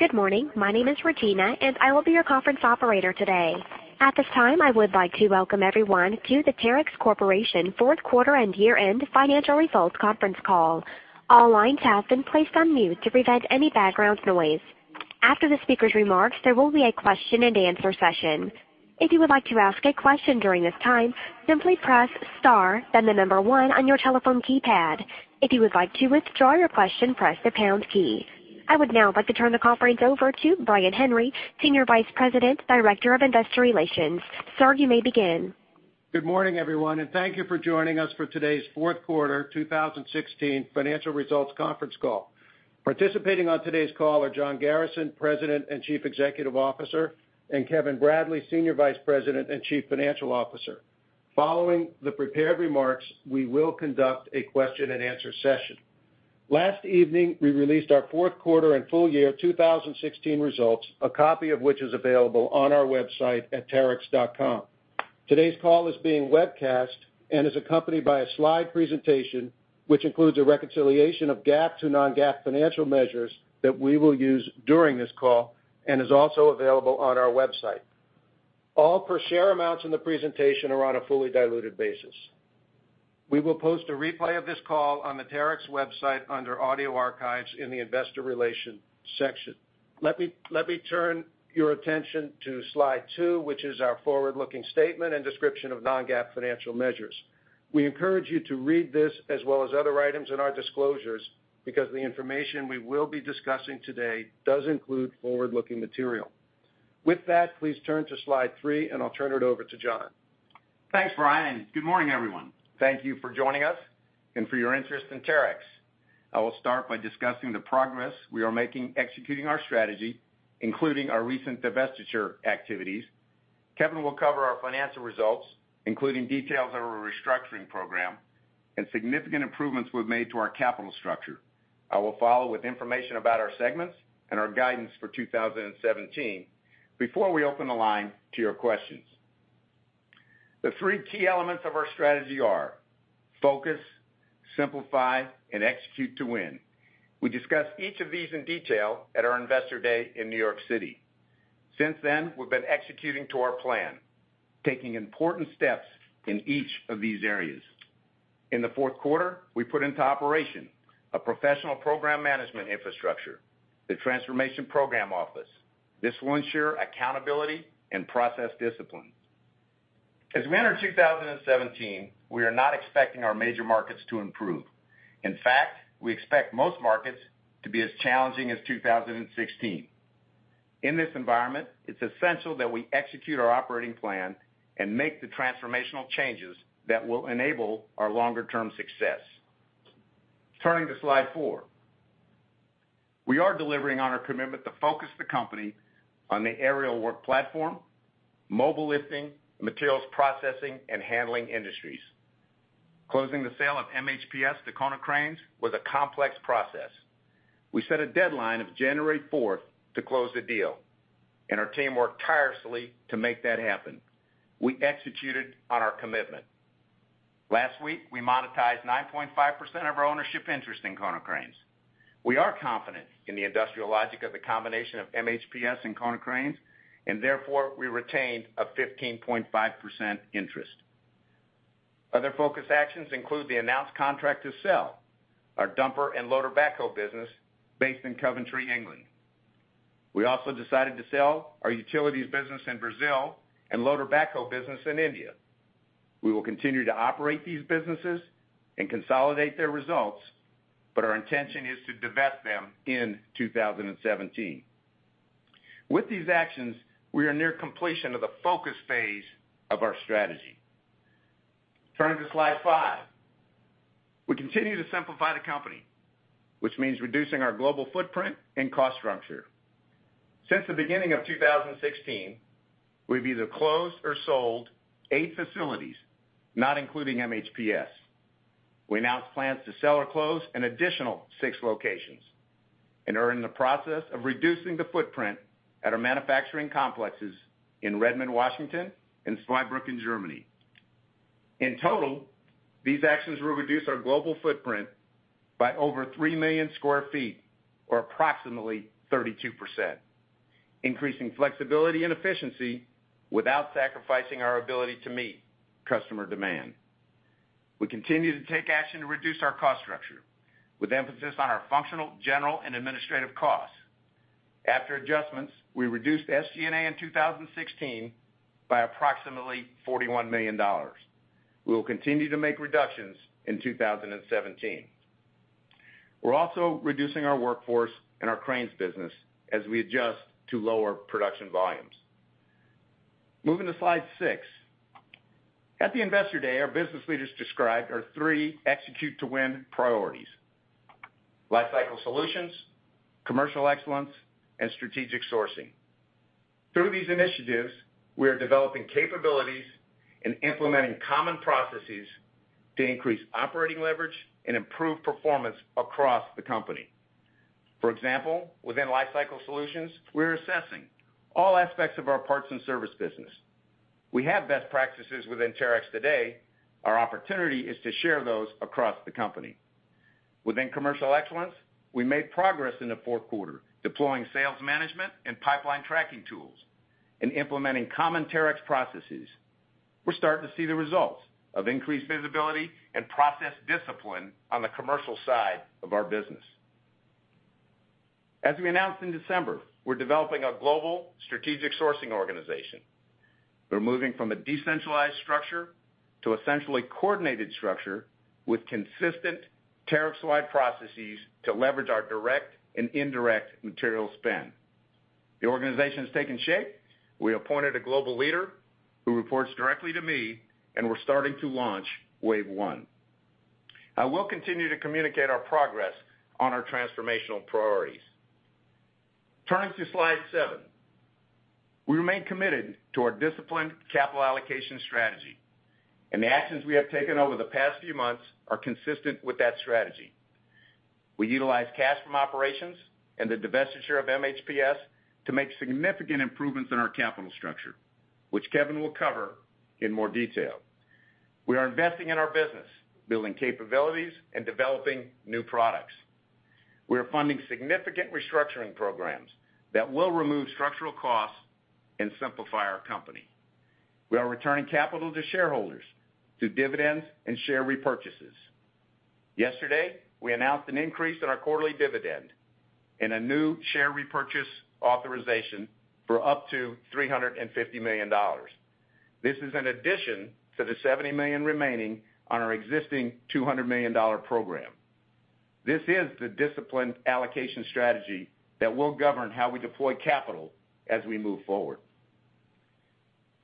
Good morning. My name is Regina, and I will be your conference operator today. At this time, I would like to welcome everyone to the Terex Corporation fourth quarter and year-end financial results conference call. All lines have been placed on mute to prevent any background noise. After the speaker's remarks, there will be a question-and-answer session. If you would like to ask a question during this time, simply press star, then the number 1 on your telephone keypad. If you would like to withdraw your question, press the pound key. I would now like to turn the conference over to Brian Henry, Senior Vice President, Director of Investor Relations. Sir, you may begin. Good morning, everyone. Thank you for joining us for today's fourth quarter 2016 financial results conference call. Participating on today's call are John Garrison, President and Chief Executive Officer, and Kevin Bradley, Senior Vice President and Chief Financial Officer. Following the prepared remarks, we will conduct a question-and-answer session. Last evening, we released our fourth quarter and full year 2016 results, a copy of which is available on our website at terex.com. Today's call is being webcast and is accompanied by a slide presentation, which includes a reconciliation of GAAP to non-GAAP financial measures that we will use during this call and is also available on our website. All per share amounts in the presentation are on a fully diluted basis. We will post a replay of this call on the Terex website under Audio Archives in the investor relations section. Let me turn your attention to slide two, which is our forward-looking statement and description of non-GAAP financial measures. We encourage you to read this as well as other items in our disclosures because the information we will be discussing today does include forward-looking material. With that, please turn to slide three and I'll turn it over to John. Thanks, Brian. Good morning, everyone. Thank you for joining us and for your interest in Terex. I will start by discussing the progress we are making executing our strategy, including our recent divestiture activities. Kevin will cover our financial results, including details of our restructuring program and significant improvements we've made to our capital structure. I will follow with information about our segments and our guidance for 2017 before we open the line to your questions. The three key elements of our strategy are focus, simplify, and execute to win. We discussed each of these in detail at our investor day in New York City. Since then, we've been executing to our plan, taking important steps in each of these areas. In the fourth quarter, we put into operation a professional program management infrastructure, the transformation program office. This will ensure accountability and process discipline. As we enter 2017, we are not expecting our major markets to improve. In fact, we expect most markets to be as challenging as 2016. In this environment, it's essential that we execute our operating plan and make the transformational changes that will enable our longer-term success. Turning to slide four. We are delivering on our commitment to focus the company on the aerial work platform, mobile lifting, materials processing, and handling industries. Closing the sale of MHPS to Konecranes was a complex process. We set a deadline of January 4th to close the deal, and our team worked tirelessly to make that happen. We executed on our commitment. Last week, we monetized 9.5% of our ownership interest in Konecranes. We are confident in the industrial logic of the combination of MHPS and Konecranes, and therefore, we retained a 15.5% interest. Other focus actions include the announced contract to sell our dumper and loader backhoe business based in Coventry, England. We also decided to sell our utilities business in Brazil and loader backhoe business in India. We will continue to operate these businesses and consolidate their results, but our intention is to divest them in 2017. With these actions, we are near completion of the focus phase of our strategy. Turning to slide five. We continue to simplify the company, which means reducing our global footprint and cost structure. Since the beginning of 2016, we've either closed or sold eight facilities, not including MHPS. We announced plans to sell or close an additional six locations and are in the process of reducing the footprint at our manufacturing complexes in Redmond, Washington, and Zweibrücken, Germany. In total, these actions will reduce our global footprint by over three million square feet or approximately 32%, increasing flexibility and efficiency without sacrificing our ability to meet customer demand. We continue to take action to reduce our cost structure, with emphasis on our functional, general, and administrative costs. After adjustments, we reduced SG&A in 2016 by approximately $41 million. We will continue to make reductions in 2017. We're also reducing our workforce and our cranes business as we adjust to lower production volumes. Moving to slide six. At the investor day, our business leaders described our three execute-to-win priorities: Lifecycle Solutions, Commercial Excellence, and Strategic Sourcing. Through these initiatives, we are developing capabilities and implementing common processes to increase operating leverage and improve performance across the company. For example, within Lifecycle Solutions, we're assessing all aspects of our parts and service business. We have best practices within Terex today. Our opportunity is to share those across the company. Within Commercial Excellence, we made progress in the fourth quarter deploying sales management and pipeline tracking tools and implementing common Terex processes. We're starting to see the results of increased visibility and process discipline on the commercial side of our business. As we announced in December, we're developing a global Strategic Sourcing organization. We're moving from a decentralized structure to a centrally coordinated structure with consistent Terex-wide processes to leverage our direct and indirect material spend. The organization's taking shape. We appointed a global leader who reports directly to me, and we're starting to launch wave one. I will continue to communicate our progress on our transformational priorities. Turning to slide seven, we remain committed to our disciplined capital allocation strategy, and the actions we have taken over the past few months are consistent with that strategy. We utilize cash from operations and the divestiture of MHPS to make significant improvements in our capital structure, which Kevin will cover in more detail. We are investing in our business, building capabilities and developing new products. We are funding significant restructuring programs that will remove structural costs and simplify our company. We are returning capital to shareholders through dividends and share repurchases. Yesterday, we announced an increase in our quarterly dividend and a new share repurchase authorization for up to $350 million. This is an addition to the $70 million remaining on our existing $200 million program. This is the disciplined allocation strategy that will govern how we deploy capital as we move forward.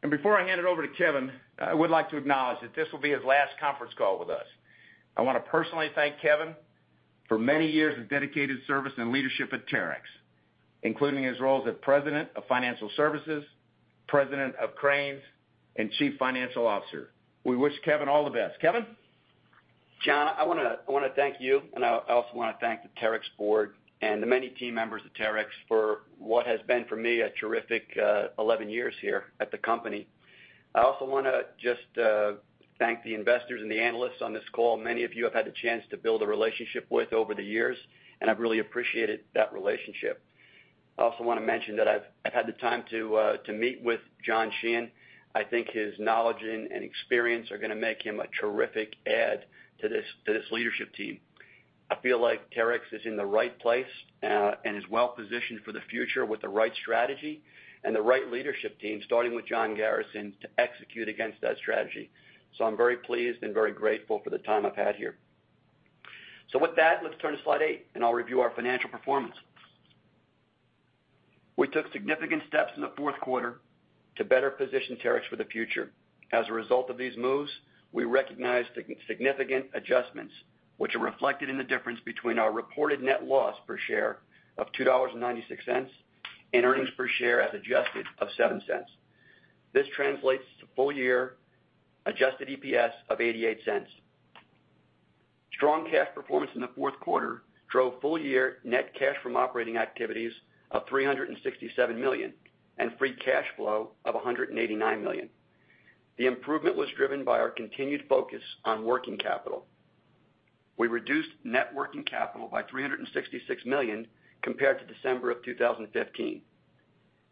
Before I hand it over to Kevin, I would like to acknowledge that this will be his last conference call with us. I want to personally thank Kevin for many years of dedicated service and leadership at Terex, including his roles as President of Financial Services, President of Cranes, and Chief Financial Officer. We wish Kevin all the best. Kevin? John, I want to thank you, and I also want to thank the Terex board and the many team members of Terex for what has been for me a terrific 11 years here at the company. I also want to just thank the investors and the analysts on this call. Many of you I've had the chance to build a relationship with over the years, and I've really appreciated that relationship. I also want to mention that I've had the time to meet with John Sheehan. I think his knowledge and experience are going to make him a terrific add to this leadership team. I feel like Terex is in the right place, and is well positioned for the future with the right strategy and the right leadership team, starting with John Garrison, to execute against that strategy. I'm very pleased and very grateful for the time I've had here. With that, let's turn to slide eight, and I'll review our financial performance. We took significant steps in the fourth quarter to better position Terex for the future. As a result of these moves, we recognized significant adjustments, which are reflected in the difference between our reported net loss per share of $2.96 and earnings per share as adjusted of $0.07. This translates to full year adjusted EPS of $0.88. Strong cash performance in the fourth quarter drove full year net cash from operating activities of $367 million and free cash flow of $189 million. The improvement was driven by our continued focus on working capital. We reduced net working capital by $366 million compared to December of 2015.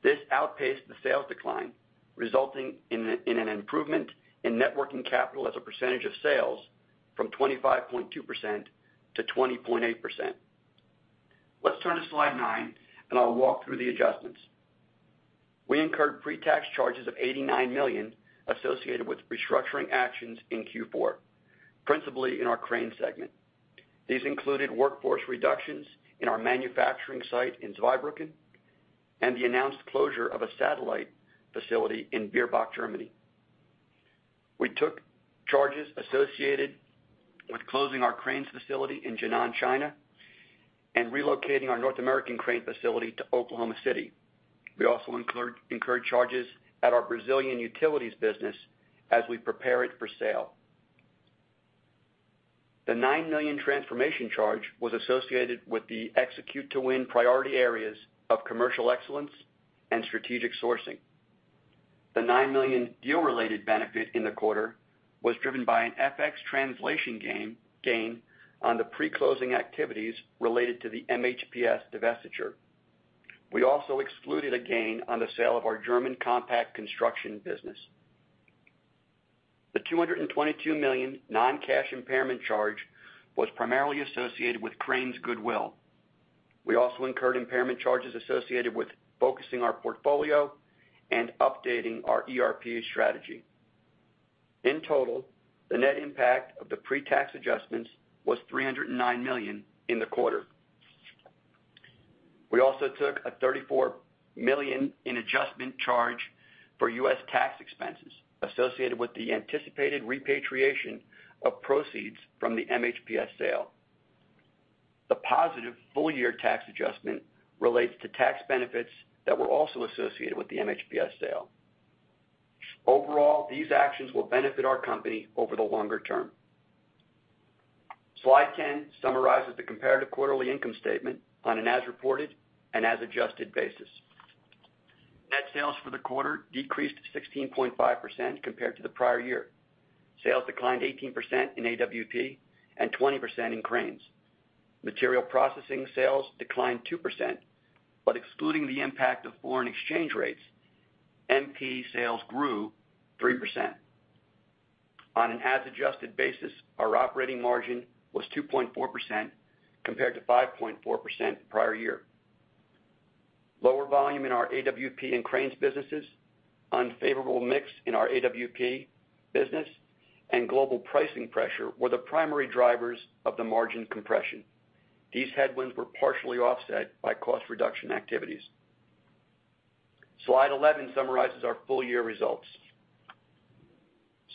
This outpaced the sales decline, resulting in an improvement in net working capital as a percentage of sales from 25.2% to 20.8%. Let's turn to slide nine, and I'll walk through the adjustments. We incurred pre-tax charges of $89 million associated with restructuring actions in Q4, principally in our Cranes Segment. These included workforce reductions in our manufacturing site in Zweibrücken and the announced closure of a satellite facility in Bierbach, Germany. We took charges associated with closing our Cranes facility in Jinan, China, and relocating our North American Crane facility to Oklahoma City. We also incurred charges at our Brazilian utilities business as we prepare it for sale. The $9 million transformation charge was associated with the Execute to Win priority areas of commercial excellence and strategic sourcing. The $9 million deal-related benefit in the quarter was driven by an FX translation gain on the pre-closing activities related to the MHPS divestiture. We also excluded a gain on the sale of our German compact construction business. The $222 million non-cash impairment charge was primarily associated with Cranes' goodwill. We also incurred impairment charges associated with focusing our portfolio and updating our ERP strategy. In total, the net impact of the pre-tax adjustments was $309 million in the quarter. We also took a $34 million in adjustment charge for U.S. tax expenses associated with the anticipated repatriation of proceeds from the MHPS sale. The positive full-year tax adjustment relates to tax benefits that were also associated with the MHPS sale. Overall, these actions will benefit our company over the longer term. Slide 10 summarizes the comparative quarterly income statement on an as reported and as adjusted basis. Net sales for the quarter decreased 16.5% compared to the prior year. Sales declined 18% in AWP and 20% in Cranes. Material Processing sales declined 2%, but excluding the impact of foreign exchange rates, MP sales grew 3%. On an as adjusted basis, our operating margin was 2.4% compared to 5.4% prior year. Lower volume in our AWP and Cranes businesses, unfavorable mix in our AWP business, and global pricing pressure were the primary drivers of the margin compression. These headwinds were partially offset by cost reduction activities. Slide 11 summarizes our full year results.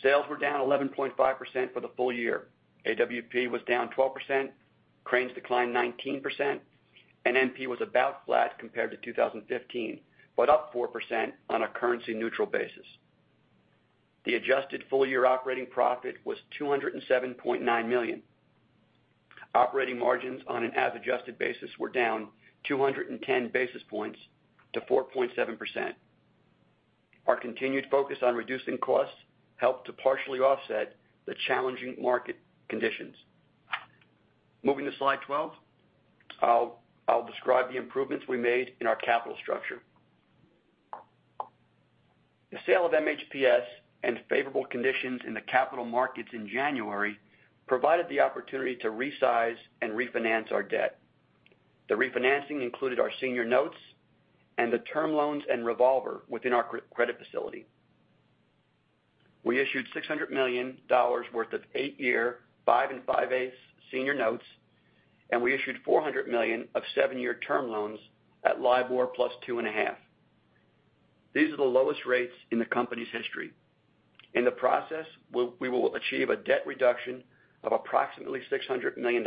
Sales were down 11.5% for the full year. AWP was down 12%, Cranes declined 19%, and MP was about flat compared to 2015, but up 4% on a currency neutral basis. The adjusted full year operating profit was $207.9 million. Operating margins on an as adjusted basis were down 210 basis points to 4.7%. Our continued focus on reducing costs helped to partially offset the challenging market conditions. Moving to slide 12. I'll describe the improvements we made in our capital structure. The sale of MHPS and favorable conditions in the capital markets in January provided the opportunity to resize and refinance our debt. The refinancing included our senior notes and the term loans and revolver within our credit facility. We issued $600 million worth of eight-year, five and five-eighths senior notes, and we issued $400 million of seven-year term loans at LIBOR plus two and a half. These are the lowest rates in the company's history. In the process, we will achieve a debt reduction of approximately $600 million.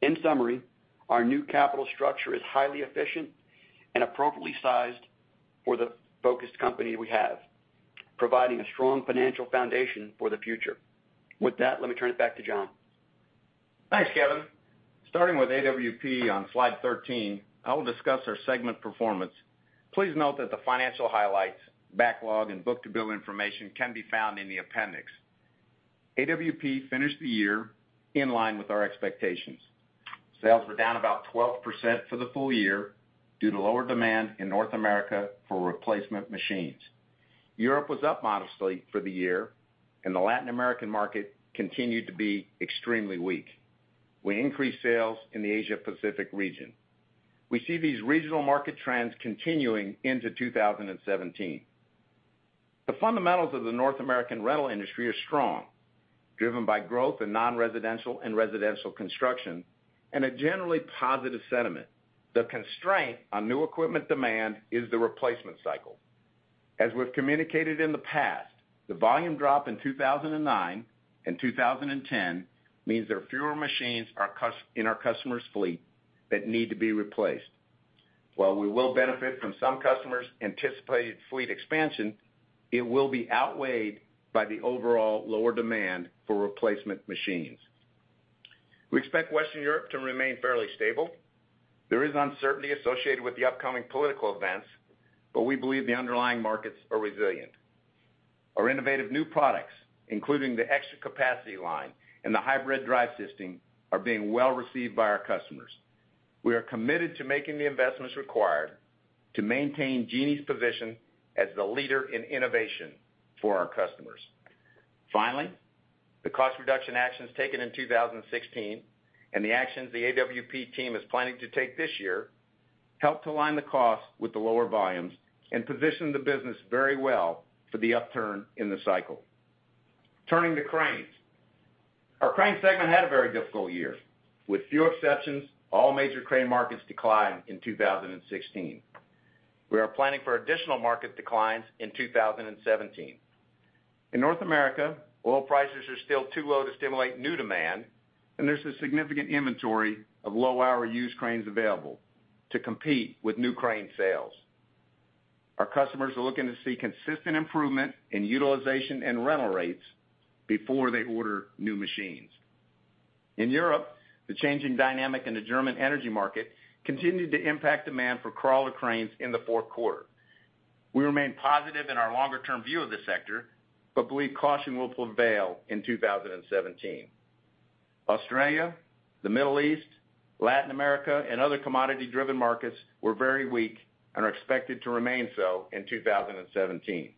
In summary, our new capital structure is highly efficient and appropriately sized for the focused company we have, providing a strong financial foundation for the future. With that, let me turn it back to John. Thanks, Kevin. Starting with AWP on slide 13, I will discuss our segment performance. Please note that the financial highlights, backlog, and book-to-bill information can be found in the appendix. AWP finished the year in line with our expectations. Sales were down about 12% for the full year due to lower demand in North America for replacement machines. Europe was up modestly for the year, and the Latin American market continued to be extremely weak. We increased sales in the Asia Pacific region. We see these regional market trends continuing into 2017. The fundamentals of the North American rental industry are strong, driven by growth in non-residential and residential construction and a generally positive sentiment. The constraint on new equipment demand is the replacement cycle. As we've communicated in the past, the volume drop in 2009 and 2010 means there are fewer machines in our customer's fleet that need to be replaced. While we will benefit from some customers' anticipated fleet expansion, it will be outweighed by the overall lower demand for replacement machines. We expect Western Europe to remain fairly stable. There is uncertainty associated with the upcoming political events, but we believe the underlying markets are resilient. Our innovative new products, including the Extra Capacity line and the hybrid drive system, are being well received by our customers. We are committed to making the investments required to maintain Genie's position as the leader in innovation for our customers. Finally, the cost reduction actions taken in 2016 and the actions the AWP team is planning to take this year help to align the cost with the lower volumes and position the business very well for the upturn in the cycle. Turning to cranes. Our crane segment had a very difficult year. With few exceptions, all major crane markets declined in 2016. We are planning for additional market declines in 2017. In North America, oil prices are still too low to stimulate new demand, and there's a significant inventory of low-hour used cranes available to compete with new crane sales. Our customers are looking to see consistent improvement in utilization and rental rates before they order new machines. In Europe, the changing dynamic in the German energy market continued to impact demand for crawler cranes in the fourth quarter. We remain positive in our longer-term view of this sector, believe caution will prevail in 2017. Australia, the Middle East, Latin America, and other commodity-driven markets were very weak and are expected to remain so in 2017.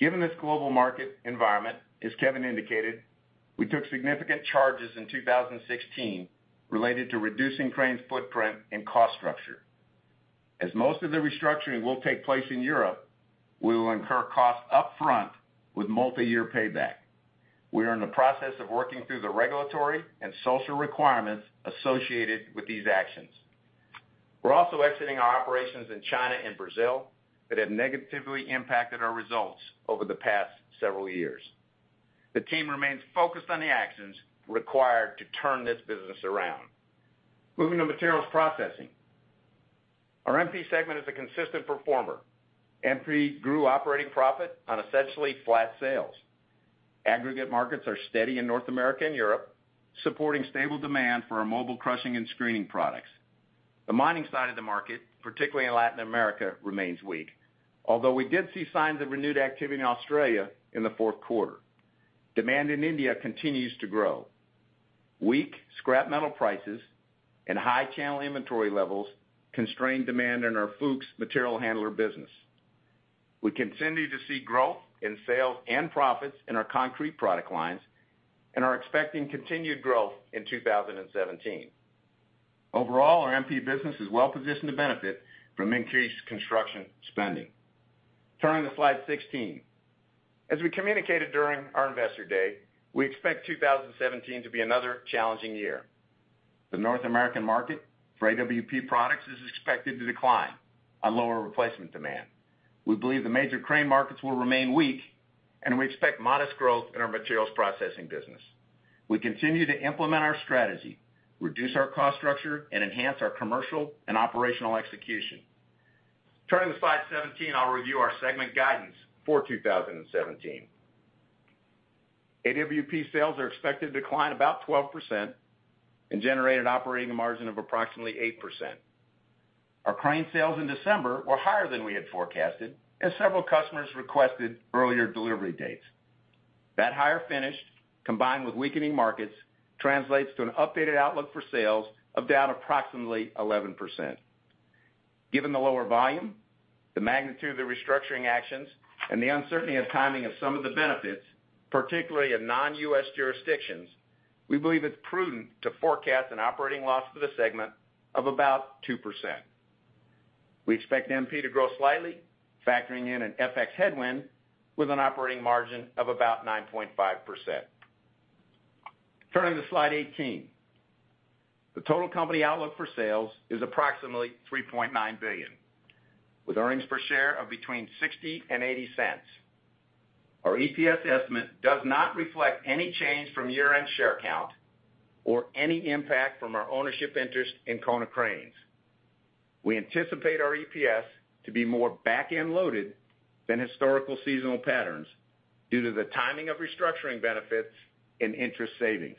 Given this global market environment, as Kevin Bradley indicated, we took significant charges in 2016 related to reducing Cranes’ footprint and cost structure. As most of the restructuring will take place in Europe, we will incur costs upfront with multi-year payback. We are in the process of working through the regulatory and social requirements associated with these actions. We're also exiting our operations in China and Brazil that have negatively impacted our results over the past several years. The team remains focused on the actions required to turn this business around. Moving to Material Processing. Our MP segment is a consistent performer. MP grew operating profit on essentially flat sales. Aggregate markets are steady in North America and Europe, supporting stable demand for our mobile crushing and screening products. The mining side of the market, particularly in Latin America, remains weak, although we did see signs of renewed activity in Australia in the fourth quarter. Demand in India continues to grow. Weak scrap metal prices and high channel inventory levels constrain demand in our Fuchs material handler business. We continue to see growth in sales and profits in our concrete product lines and are expecting continued growth in 2017. Overall, our MP business is well positioned to benefit from increased construction spending. Turning to slide 16. As we communicated during our investor day, we expect 2017 to be another challenging year. The North American market for AWP products is expected to decline on lower replacement demand. We believe the major Cranes markets will remain weak, we expect modest growth in our Material Processing business. We continue to implement our strategy, reduce our cost structure, and enhance our commercial and operational execution. Turning to slide 17, I'll review our segment guidance for 2017. AWP sales are expected to decline about 12% and generate an operating margin of approximately 8%. Our Cranes sales in December were higher than we had forecasted as several customers requested earlier delivery dates. That higher finish, combined with weakening markets, translates to an updated outlook for sales of down approximately 11%. Given the lower volume, the magnitude of the restructuring actions, and the uncertainty of timing of some of the benefits, particularly in non-U.S. jurisdictions, we believe it's prudent to forecast an operating loss for the segment of about 2%. We expect MP to grow slightly, factoring in an FX headwind with an operating margin of about 9.5%. Turning to slide 18. The total company outlook for sales is approximately $3.9 billion, with earnings per share of between $0.60 and $0.80. Our EPS estimate does not reflect any change from year-end share count or any impact from our ownership interest in Konecranes. We anticipate our EPS to be more back-end loaded than historical seasonal patterns due to the timing of restructuring benefits and interest savings.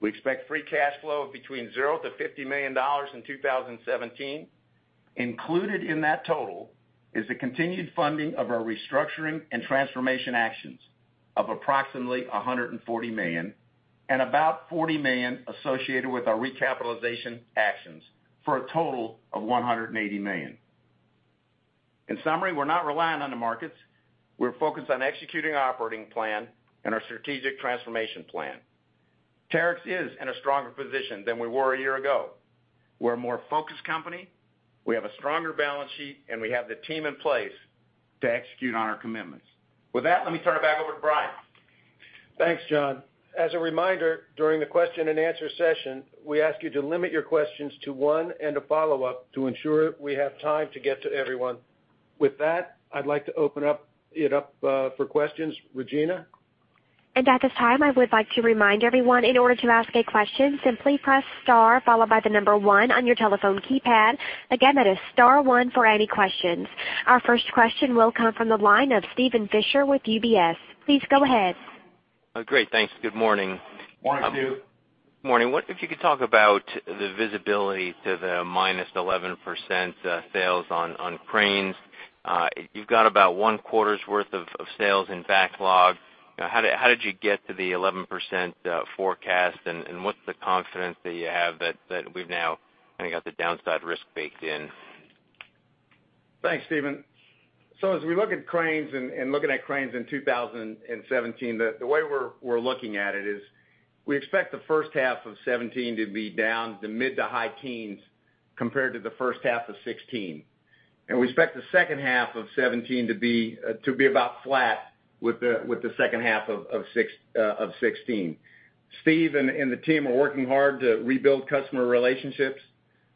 We expect free cash flow of between zero to $50 million in 2017. Included in that total is the continued funding of our restructuring and transformation actions of approximately $140 million and about $40 million associated with our recapitalization actions, for a total of $180 million. In summary, we're not reliant on the markets. We're focused on executing our operating plan and our strategic transformation plan. Terex is in a stronger position than we were a year ago. We're a more focused company, we have a stronger balance sheet, and we have the team in place to execute on our commitments. With that, let me turn it back over to Brian. Thanks, John. As a reminder, during the question and answer session, we ask you to limit your questions to one and a follow-up to ensure we have time to get to everyone. With that, I'd like to open it up for questions. Regina? At this time, I would like to remind everyone, in order to ask a question, simply press star followed by the number one on your telephone keypad. Again, that is star one for any questions. Our first question will come from the line of Steven Fisher with UBS. Please go ahead. Great. Thanks. Good morning. Morning, Steve. Morning. What if you could talk about the visibility to the -11% sales on cranes. You've got about one quarter's worth of sales in backlog. How did you get to the 11% forecast, and what's the confidence that you have that we've now got the downside risk baked in? Thanks, Steven. As we look at cranes and looking at cranes in 2017, the way we're looking at it is we expect the first half of 2017 to be down to mid to high teens compared to the first half of 2016. We expect the second half of 2017 to be about flat with the second half of 2016. Steve and the team are working hard to rebuild customer relationships.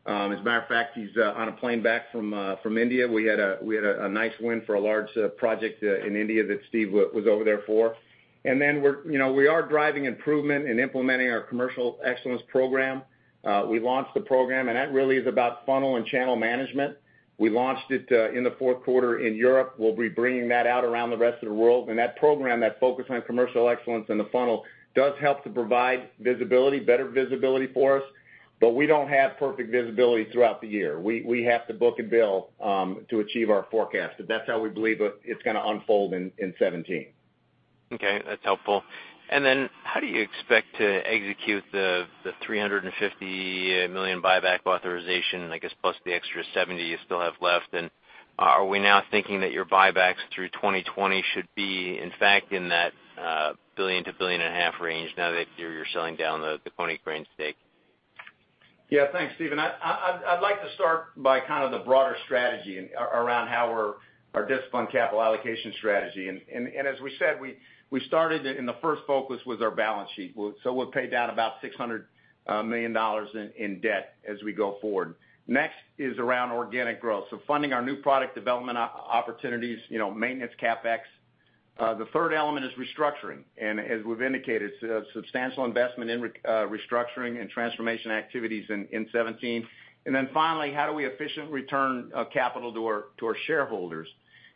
As a matter of fact, he's on a plane back from India. We had a nice win for a large project in India that Steve was over there for. We are driving improvement and implementing our Commercial Excellence Program. We launched the Program, and that really is about funnel and channel management. We launched it in the fourth quarter in Europe. We'll be bringing that out around the rest of the world. That program, that focus on Commercial Excellence and the funnel, does help to provide better visibility for us, but we don't have perfect visibility throughout the year. We have to book a bill to achieve our forecast, but that's how we believe it's going to unfold in 2017. Okay. That's helpful. How do you expect to execute the $350 million buyback authorization, I guess, plus the extra $70 million you still have left? Are we now thinking that your buybacks through 2020 should be, in fact, in that $1 billion-$1.5 billion range now that you're selling down the Konecranes stake? Yeah. Thanks, Steven. I'd like to start by the broader strategy around our discipline capital allocation strategy. As we said, we started, the first focus was our balance sheet. We'll pay down about $600 million in debt as we go forward. Next is around organic growth, so funding our new product development opportunities, maintenance CapEx. The third element is restructuring, as we've indicated, substantial investment in restructuring and transformation activities in 2017. Finally, how do we efficiently return capital to our shareholders?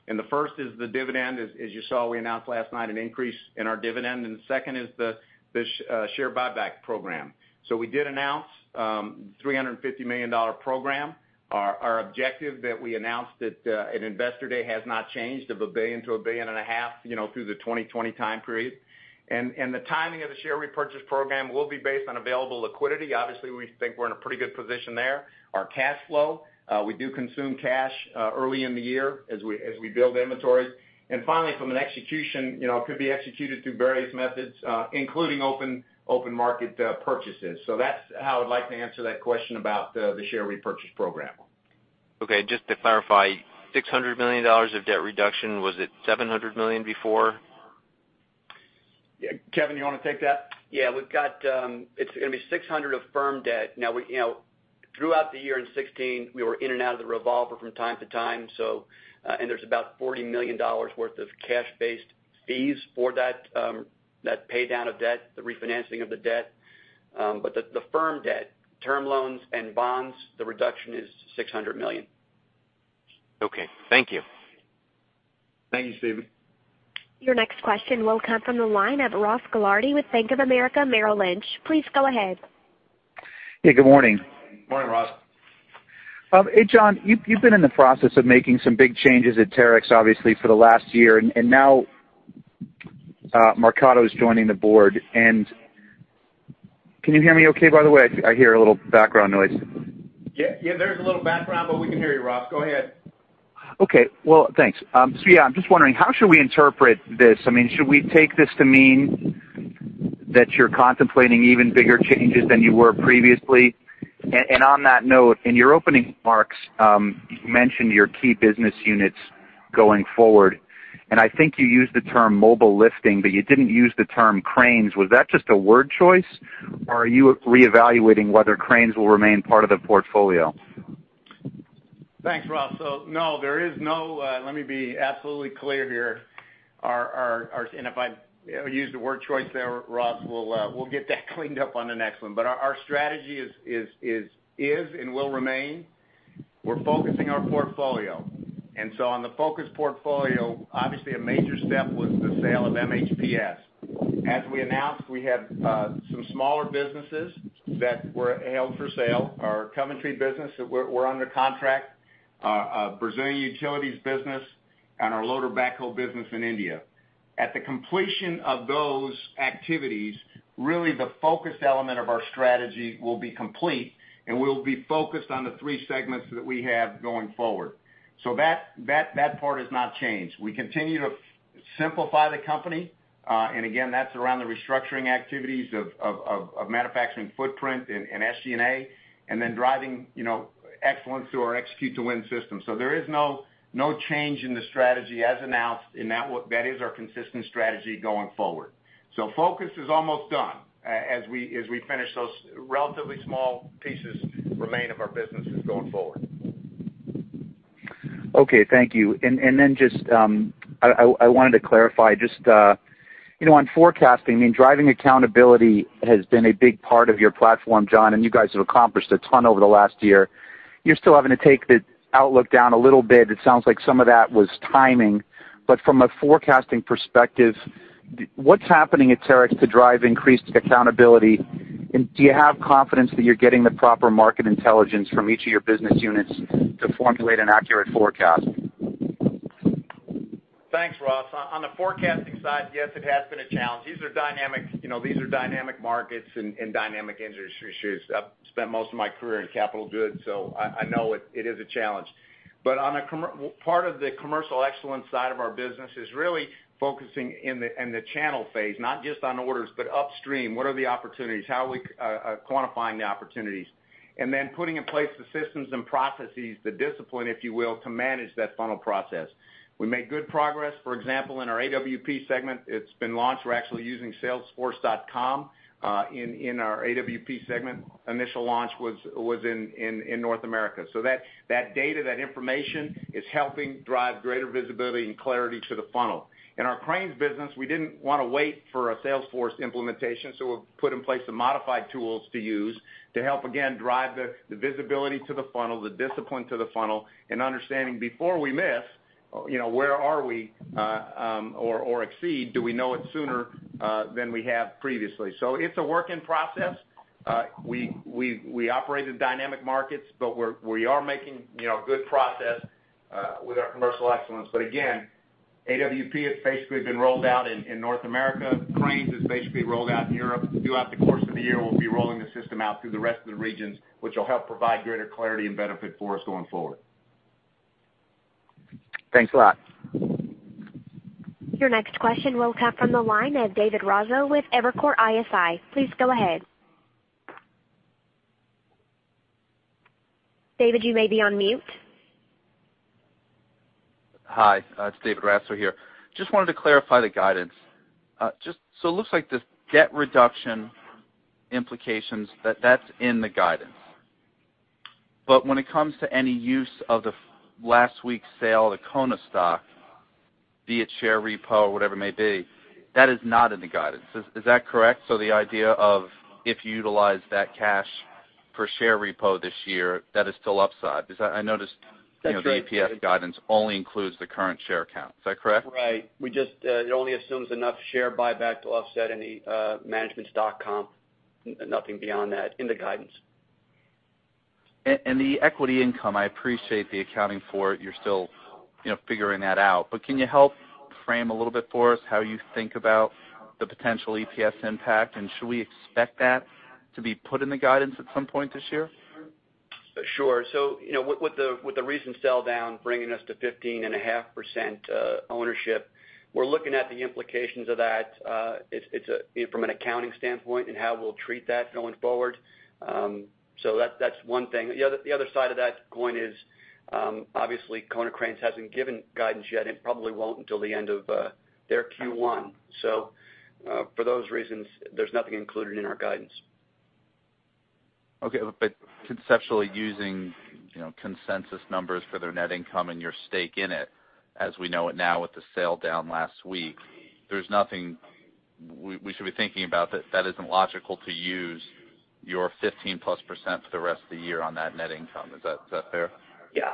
The first is the dividend. As you saw, we announced last night an increase in our dividend, the second is the share buyback program. We did announce a $350 million program. Our objective that we announced at Investor Day has not changed, of a $1 billion-$1.5 billion through the 2020 time period. The timing of the share repurchase program will be based on available liquidity. Obviously, we think we're in a pretty good position there. Our cash flow, we do consume cash early in the year as we build inventories. Finally, from an execution, it could be executed through various methods, including open market purchases. That's how I'd like to answer that question about the share repurchase program. Okay. Just to clarify, $600 million of debt reduction, was it $700 million before? Kevin, you want to take that? Yeah. It's going to be $600 of firm debt. Throughout the year in 2016, we were in and out of the revolver from time to time, and there's about $40 million worth of cash-based fees for that pay-down of debt, the refinancing of the debt. The firm debt, term loans and bonds, the reduction is $600 million. Okay, thank you. Thank you, Steven. Your next question will come from the line of Ross Gilardi with Bank of America Merrill Lynch. Please go ahead. Hey, good morning. Morning, Ross. Hey, John. You've been in the process of making some big changes at Terex, obviously for the last year, and now Marcato is joining the board. Can you hear me okay, by the way? I hear a little background noise. Yeah, there's a little background, but we can hear you, Ross. Go ahead. Okay. Well, thanks. Yeah, I'm just wondering, how should we interpret this? Should we take this to mean that you're contemplating even bigger changes than you were previously? On that note, in your opening remarks, you mentioned your key business units going forward, and I think you used the term mobile lifting, but you didn't use the term cranes. Was that just a word choice, or are you reevaluating whether cranes will remain part of the portfolio? Thanks, Ross. No, let me be absolutely clear here. If I used the word choice there, Ross, we'll get that cleaned up on the next one. Our strategy is and will remain, we're focusing our portfolio. On the focus portfolio, obviously a major step was the sale of MHPS. As we announced, we have some smaller businesses that were held for sale. Our Coventry business, we're under contract, our Brazilian utilities business, and our loader backhoe business in India. At the completion of those activities, really the focus element of our strategy will be complete, and we'll be focused on the three segments that we have going forward. That part has not changed. We continue to simplify the company, and again, that's around the restructuring activities of manufacturing footprint and SG&A and then driving excellence through our Execute to Win system. There is no change in the strategy as announced, that is our consistent strategy going forward. Focus is almost done as we finish those relatively small pieces remain of our businesses going forward. Okay, thank you. I wanted to clarify just on forecasting, driving accountability has been a big part of your platform, John, and you guys have accomplished a ton over the last year. You're still having to take the outlook down a little bit. It sounds like some of that was timing, but from a forecasting perspective, what's happening at Terex to drive increased accountability? Do you have confidence that you're getting the proper market intelligence from each of your business units to formulate an accurate forecast? Thanks, Ross. On the forecasting side, yes, it has been a challenge. These are dynamic markets and dynamic industry issues. I've spent most of my career in capital goods, I know it is a challenge. Part of the commercial excellence side of our business is really focusing in the channel phase, not just on orders, but upstream. What are the opportunities? How are we quantifying the opportunities? Putting in place the systems and processes, the discipline, if you will, to manage that funnel process. We made good progress. For example, in our AWP segment, it's been launched. We're actually using salesforce.com in our AWP segment. Initial launch was in North America. That data, that information is helping drive greater visibility and clarity to the funnel. In our cranes business, we didn't want to wait for a Salesforce implementation, we've put in place some modified tools to use to help, again, drive the visibility to the funnel, the discipline to the funnel, and understanding before we miss, where are we, or exceed, do we know it sooner than we have previously? It's a work in process. We operate in dynamic markets, we are making good process with our commercial excellence. Again, AWP has basically been rolled out in North America. Cranes has basically rolled out in Europe. Throughout the course of the year, we'll be rolling the system out through the rest of the regions, which will help provide greater clarity and benefit for us going forward. Thanks a lot. Your next question will come from the line of David Raso with Evercore ISI. Please go ahead. David, you may be on mute. Hi, it's David Raso here. Just wanted to clarify the guidance. It looks like the debt reduction implications, that's in the guidance. When it comes to any use of the last week's sale, the Konecranes stock, be it share repo or whatever it may be, that is not in the guidance. Is that correct? The idea of if you utilize that cash for share repo this year, that is still upside. I noticed. That's right the EPS guidance only includes the current share count. Is that correct? Right. It only assumes enough share buyback to offset any management stock comp, nothing beyond that in the guidance. The equity income, I appreciate the accounting for it. You're still figuring that out. Can you help frame a little bit for us how you think about the potential EPS impact? Should we expect that to be put in the guidance at some point this year? Sure. With the recent sell down bringing us to 15.5% ownership, we're looking at the implications of that from an accounting standpoint and how we'll treat that going forward. That's one thing. The other side of that coin is, obviously Konecranes hasn't given guidance yet and probably won't until the end of their Q1. For those reasons, there's nothing included in our guidance. Okay. Conceptually, using consensus numbers for their net income and your stake in it, as we know it now with the sale down last week, there's nothing we should be thinking about that that isn't logical to use your 15-plus% for the rest of the year on that net income. Is that fair? Yeah.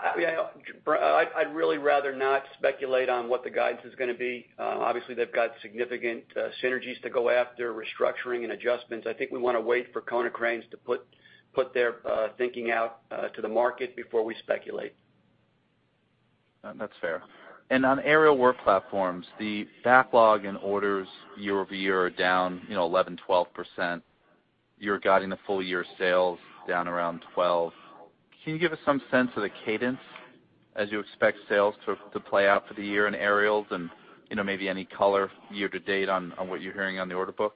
I'd really rather not speculate on what the guidance is going to be. Obviously, they've got significant synergies to go after, restructuring, and adjustments. I think we want to wait for Konecranes to put their thinking out to the market before we speculate. That's fair. On aerial work platforms, the backlog in orders year-over-year are down 11%-12%. You're guiding the full year sales down around 12%. Can you give us some sense of the cadence as you expect sales to play out for the year in aerials and maybe any color year-to-date on what you're hearing on the order book?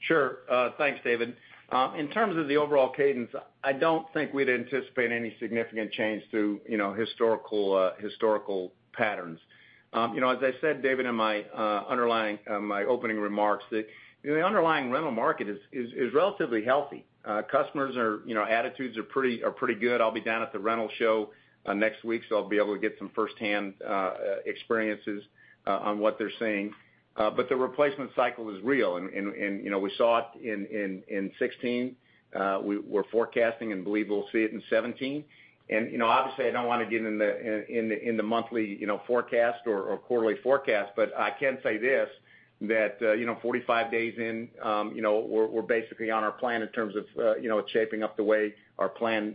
Sure. Thanks, David. In terms of the overall cadence, I don't think we'd anticipate any significant change to historical patterns. As I said, David, in my opening remarks, the underlying rental market is relatively healthy. Customers' attitudes are pretty good. I'll be down at the rental show next week, I'll be able to get some first-hand experiences on what they're seeing. The replacement cycle is real, and we saw it in 2016. We're forecasting and believe we'll see it in 2017. Obviously, I don't want to get into the monthly forecast or quarterly forecast, but I can say this, that 45 days in, we're basically on our plan in terms of it's shaping up the way our plan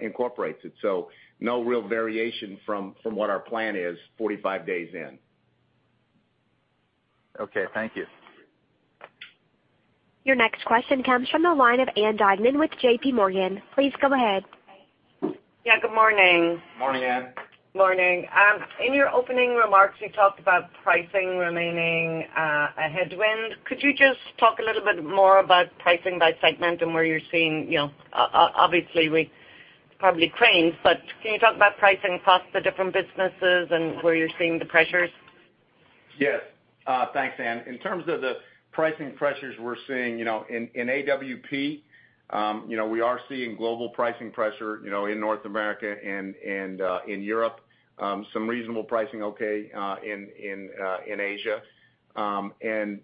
incorporates it. No real variation from what our plan is 45 days in. Okay, thank you. Your next question comes from the line of Ann Duignan with JPMorgan. Please go ahead. Yeah, good morning. Morning, Ann. Morning. In your opening remarks, you talked about pricing remaining a headwind. Could you just talk a little bit more about pricing by segment and where you're seeing, obviously with probably Cranes, but can you talk about pricing across the different businesses and where you're seeing the pressures? Yes. Thanks, Anne. In terms of the pricing pressures we're seeing, in AWP we are seeing global pricing pressure in North America and in Europe. Some reasonable pricing, okay, in Asia. In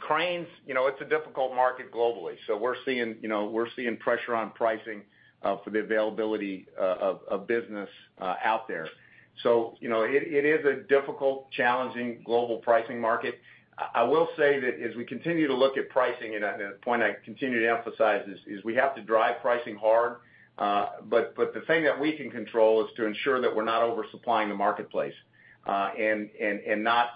Cranes, it's a difficult market globally. We're seeing pressure on pricing for the availability of business out there. It is a difficult, challenging global pricing market. I will say that as we continue to look at pricing, and a point I continue to emphasize is we have to drive pricing hard. The thing that we can control is to ensure that we're not oversupplying the marketplace. Not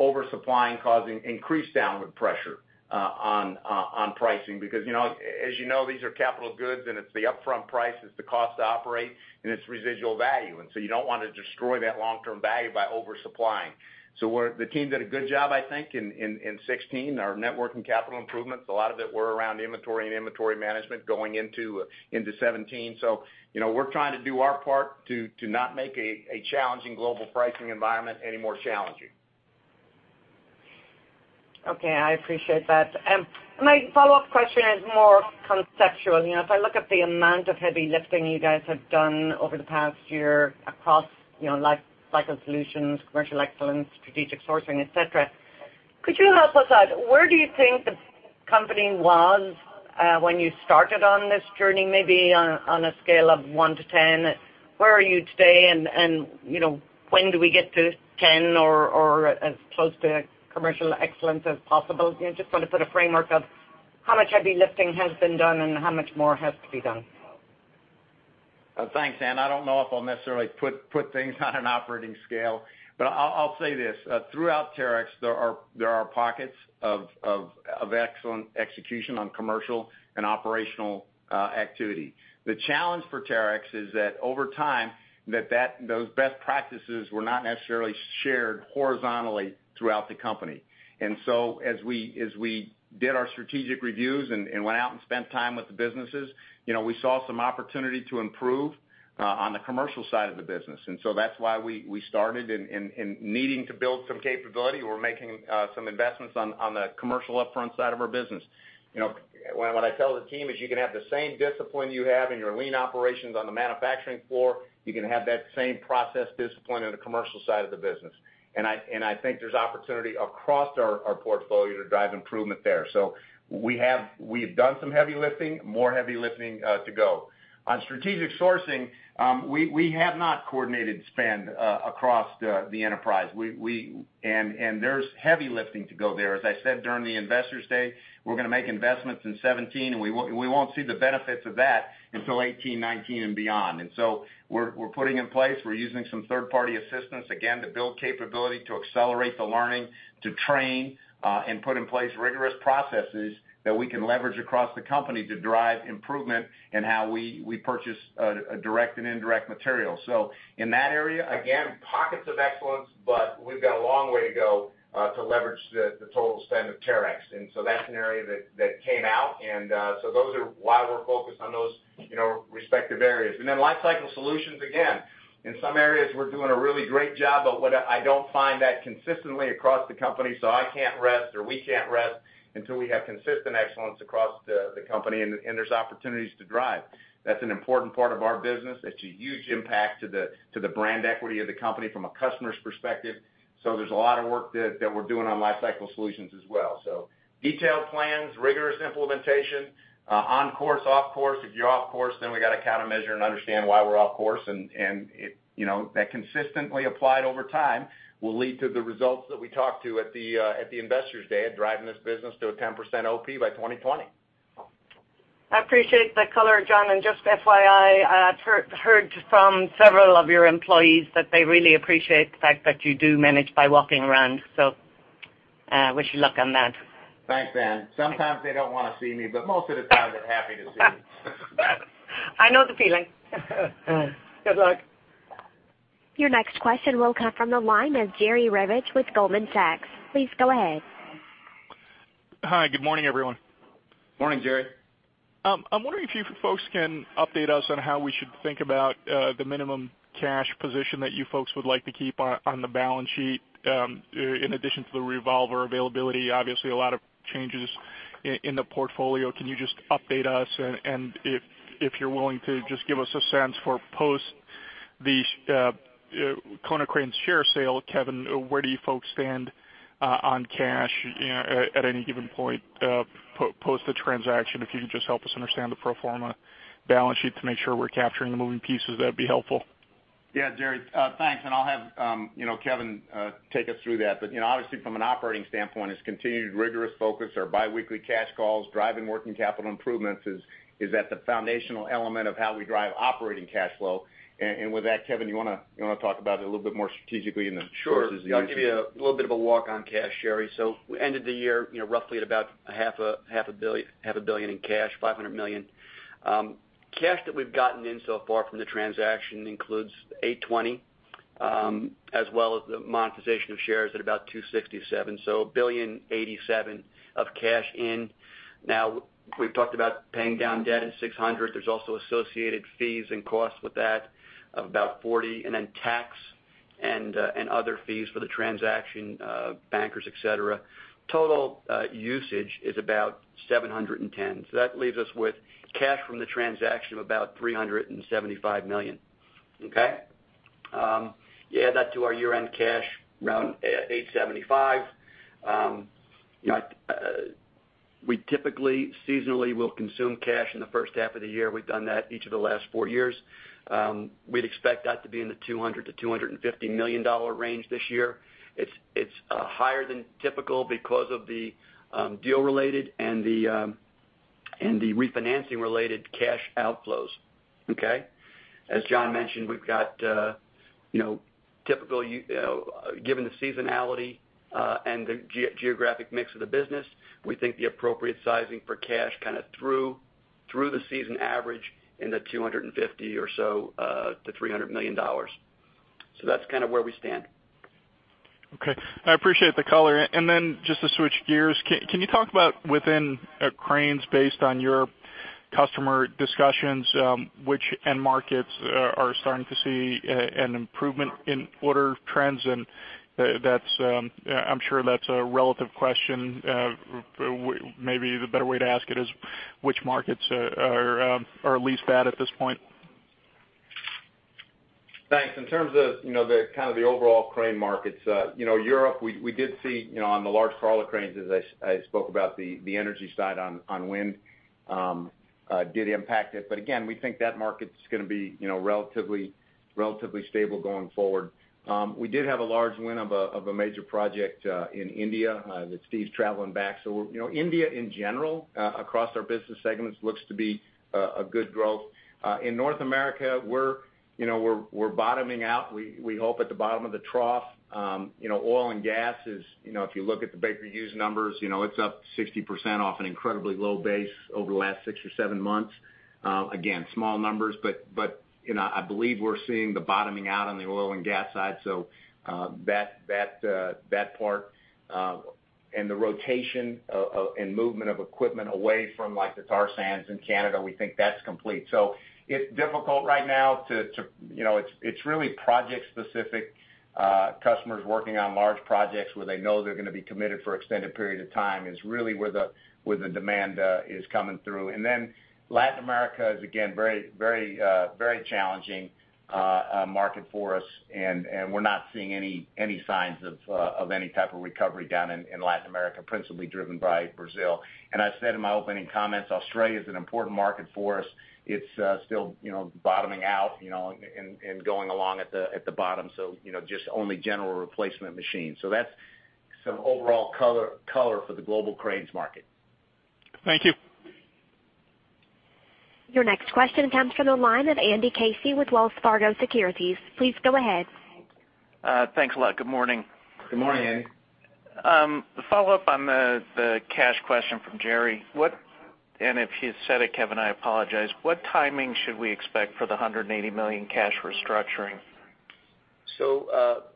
oversupplying causing increased downward pressure on pricing because as you know, these are capital goods, and it's the upfront price, it's the cost to operate, and it's residual value. You don't want to destroy that long-term value by oversupplying. The team did a good job, I think, in 2016. Our network and capital improvements, a lot of it were around inventory and inventory management going into 2017. We're trying to do our part to not make a challenging global pricing environment any more challenging. Okay, I appreciate that. My follow-up question is more conceptual. If I look at the amount of heavy lifting you guys have done over the past year across life cycle solutions, commercial excellence, strategic sourcing, et cetera, could you help us out? Where do you think the company was when you started on this journey? Maybe on a scale of one to 10, where are you today and when do we get to 10 or as close to commercial excellence as possible? Just want to put a framework of how much heavy lifting has been done and how much more has to be done. Thanks, Anne. I don't know if I'll necessarily put things on an operating scale, I'll say this. Throughout Terex, there are pockets of Excellent execution on commercial and operational activity. The challenge for Terex is that over time, those best practices were not necessarily shared horizontally throughout the company. As we did our strategic reviews and went out and spent time with the businesses, we saw some opportunity to improve on the commercial side of the business. That's why we started in needing to build some capability. We're making some investments on the commercial upfront side of our business. What I tell the team is you can have the same discipline you have in your lean operations on the manufacturing floor. You can have that same process discipline on the commercial side of the business, and I think there's opportunity across our portfolio to drive improvement there. We've done some heavy lifting, more heavy lifting to go. On strategic sourcing, we have not coordinated spend across the enterprise. There's heavy lifting to go there. As I said during the Investors Day, we're going to make investments in 2017, and we won't see the benefits of that until 2018, 2019, and beyond. We're putting in place, we're using some third-party assistance, again, to build capability, to accelerate the learning, to train, and put in place rigorous processes that we can leverage across the company to drive improvement in how we purchase direct and indirect material. In that area, again, pockets of excellence, but we've got a long way to go, to leverage the total spend of Terex. That's an area that came out. Those are why we're focused on those respective areas. Lifecycle solutions, again, in some areas, we're doing a really great job, but I don't find that consistently across the company, so I can't rest or we can't rest until we have consistent excellence across the company, and there's opportunities to drive. That's an important part of our business. It's a huge impact to the brand equity of the company from a customer's perspective. There's a lot of work that we're doing on lifecycle solutions as well. Detailed plans, rigorous implementation, on course, off course. If you're off course, we got to countermeasure and understand why we're off course. That consistently applied over time will lead to the results that we talked to at the Investors Day of driving this business to a 10% OP by 2020. I appreciate the color, John. Just FYI, I've heard from several of your employees that they really appreciate the fact that you do manage by walking around, I wish you luck on that. Thanks, Ann. Sometimes they don't want to see me, but most of the time they're happy to see me. I know the feeling. Good luck. Your next question will come from the line of Jerry Revich with Goldman Sachs. Please go ahead. Hi, good morning, everyone. Morning, Jerry. I'm wondering if you folks can update us on how we should think about the minimum cash position that you folks would like to keep on the balance sheet, in addition to the revolver availability. Obviously, a lot of changes in the portfolio. Can you just update us? If you're willing to just give us a sense for post the Konecranes share sale, Kevin, where do you folks stand on cash at any given point, post the transaction? If you could just help us understand the pro forma balance sheet to make sure we're capturing the moving pieces, that'd be helpful. Yeah, Jerry. Thanks. I'll have Kevin take us through that. Obviously from an operating standpoint, it's continued rigorous focus. Our biweekly cash calls, driving working capital improvements is at the foundational element of how we drive operating cash flow. With that, Kevin, you want to talk about it a little bit more strategically? Sure. I'll give you a little bit of a walk on cash, Jerry. We ended the year roughly at about half a billion in cash, $500 million. Cash that we've gotten in so far from the transaction includes $820, as well as the monetization of shares at about $267, $1,087,000,000 of cash in. We've talked about paying down debt at $600. There's also associated fees and costs with that of about $40, and then tax and other fees for the transaction, bankers, et cetera. Total usage is about $710. That leaves us with cash from the transaction of about $375 million. Okay? You add that to our year-end cash around $875. We typically, seasonally, will consume cash in the first half of the year. We've done that each of the last four years. We'd expect that to be in the $200 million-$250 million range this year. It's higher than typical because of the deal-related and the refinancing-related cash outflows. Okay. As John mentioned, given the seasonality and the geographic mix of the business, we think the appropriate sizing for cash kind of through the season average in the $250 million or so to $300 million. That's kind of where we stand. Okay. I appreciate the color. Then just to switch gears, can you talk about within Cranes, based on your customer discussions, which end markets are starting to see an improvement in order trends? I'm sure that's a relative question. Maybe the better way to ask it is which markets are least bad at this point? Thanks. In terms of the kind of the overall crane markets, Europe, we did see on the large crawler cranes, as I spoke about the energy side on wind, did impact it. Again, we think that market's going to be relatively stable going forward. We did have a large win of a major project in India that Steve's traveling back. India in general, across our business segments, looks to be a good growth. In North America, we're bottoming out, we hope, at the bottom of the trough. Oil and gas is, if you look at the Baker Hughes numbers, it's up 60% off an incredibly low base over the last six or seven months. Again, small numbers, but I believe we're seeing the bottoming out on the oil and gas side. The rotation and movement of equipment away from the tar sands in Canada, we think that's complete. It's difficult right now. It's really project-specific. Customers working on large projects where they know they're going to be committed for extended period of time is really where the demand is coming through. Then Latin America is again, very challenging market for us, and we're not seeing any signs of any type of recovery down in Latin America, principally driven by Brazil. I said in my opening comments, Australia's an important market for us. It's still bottoming out and going along at the bottom. Just only general replacement machines. That's some overall color for the global cranes market. Thank you. Your next question comes from the line of Andrew Casey with Wells Fargo Securities. Please go ahead. Thanks a lot. Good morning. Good morning, Andy. To follow up on the cash question from Jerry, Kevin, I apologize, what timing should we expect for the $180 million cash restructuring?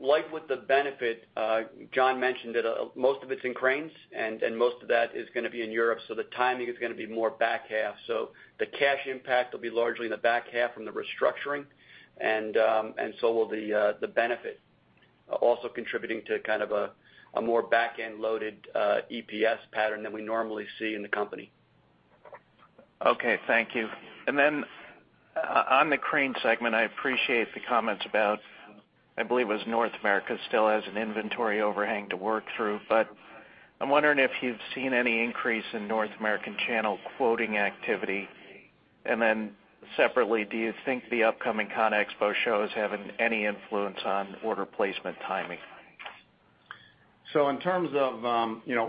Like with the benefit, John mentioned that most of it's in Cranes, and most of that is going to be in Europe. The timing is going to be more back half. The cash impact will be largely in the back half from the restructuring and so will the benefit. Also contributing to kind of a more back-end loaded EPS pattern than we normally see in the company. Okay. Thank you. On the Cranes segment, I appreciate the comments about, I believe it was North America still has an inventory overhang to work through, but I'm wondering if you've seen any increase in North American channel quoting activity. Separately, do you think the upcoming Conexpo show is having any influence on order placement timing? In terms of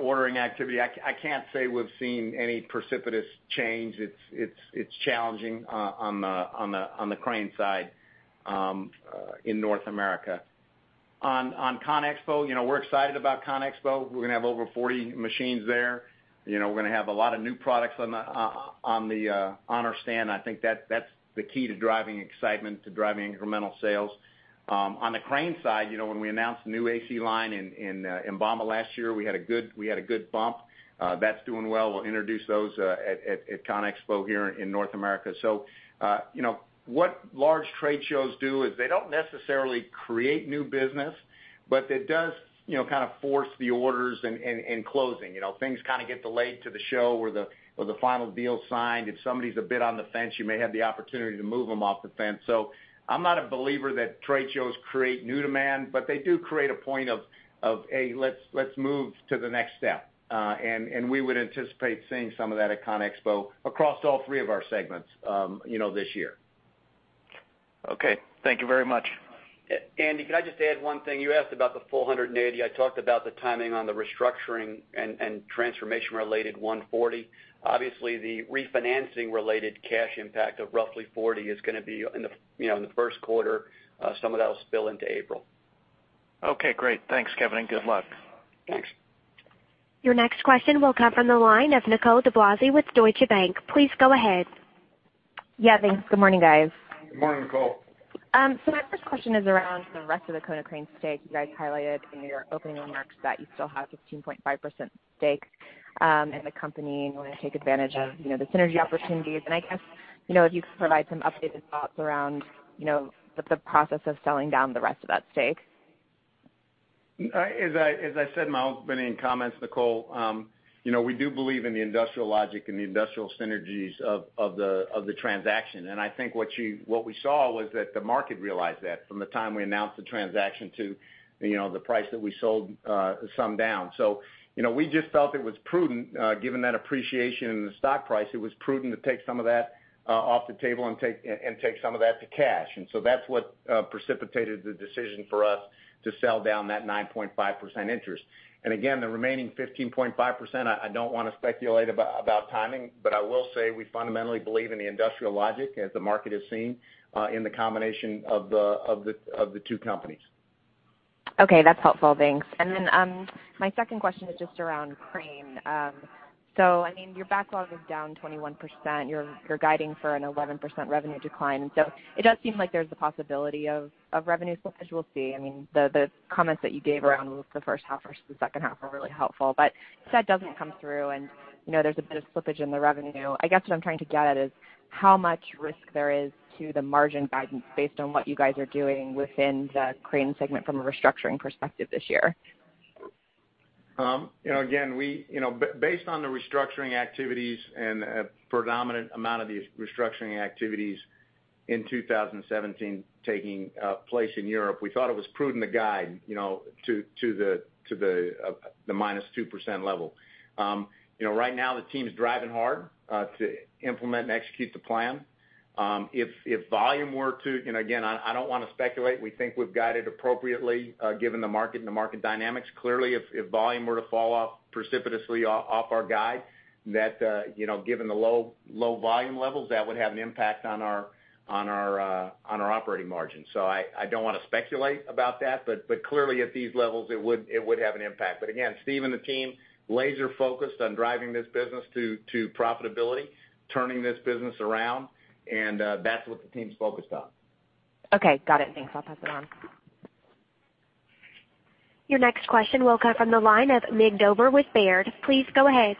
ordering activity, I can't say we've seen any precipitous change. It's challenging on the Cranes side in North America. On Conexpo, we're excited about Conexpo. We're going to have over 40 machines there. We're going to have a lot of new products on our stand. I think that's the key to driving excitement, to driving incremental sales. On the Cranes side, when we announced the new AC line in bauma last year, we had a good bump. That's doing well. We'll introduce those at Conexpo here in North America. What large trade shows do is they don't necessarily create new business, but it does kind of force the orders in closing. Things kind of get delayed to the show where the final deal's signed. If somebody's a bit on the fence, you may have the opportunity to move them off the fence. I'm not a believer that trade shows create new demand, but they do create a point of, "Hey, let's move to the next step." We would anticipate seeing some of that at Conexpo across all three of our segments this year. Okay. Thank you very much. Andy, can I just add one thing? You asked about the full $180. I talked about the timing on the restructuring and transformation-related $140. Obviously, the refinancing-related cash impact of roughly $40 is going to be in the first quarter. Some of that'll spill into April. Okay, great. Thanks, Kevin, and good luck. Thanks. Your next question will come from the line of Nicole DeBlase with Deutsche Bank. Please go ahead. Yeah, thanks. Good morning, guys. Good morning, Nicole. My first question is around the rest of the Konecranes stake. You guys highlighted in your opening remarks that you still have 15.5% stake in the company, and want to take advantage of the synergy opportunities, and I guess if you could provide some updated thoughts around the process of selling down the rest of that stake. As I said in my opening comments, Nicole, we do believe in the industrial logic and the industrial synergies of the transaction. I think what we saw was that the market realized that from the time we announced the transaction to the price that we sold some down. We just felt it was prudent, given that appreciation in the stock price, it was prudent to take some of that off the table and take some of that to cash. That's what precipitated the decision for us to sell down that 9.5% interest. Again, the remaining 15.5%, I don't want to speculate about timing, but I will say we fundamentally believe in the industrial logic as the market has seen in the combination of the two companies. Okay. That's helpful. Thanks. Then, my second question is just around crane. I mean, your backlog is down 21%. You're guiding for an 11% revenue decline. It does seem like there's the possibility of revenue slippage. We'll see. I mean, the comments that you gave around the first half versus the second half are really helpful, but if that doesn't come through and there's a bit of slippage in the revenue, I guess what I'm trying to get at is how much risk there is to the margin guidance based on what you guys are doing within the crane segment from a restructuring perspective this year. Again, based on the restructuring activities and a predominant amount of these restructuring activities in 2017 taking place in Europe, we thought it was prudent to guide to the minus 2% level. Right now, the team is driving hard to implement and execute the plan. If volume were to, again, I don't want to speculate, we think we've guided appropriately given the market and the market dynamics. Clearly, if volume were to fall off precipitously off our guide, given the low volume levels, that would have an impact on our operating margin. I don't want to speculate about that, but clearly at these levels, it would have an impact. Again, Steve and the team, laser-focused on driving this business to profitability, turning this business around, and that's what the team's focused on. Okay, got it. Thanks. I'll pass it on. Your next question will come from the line of Mig Dobre with Baird. Please go ahead.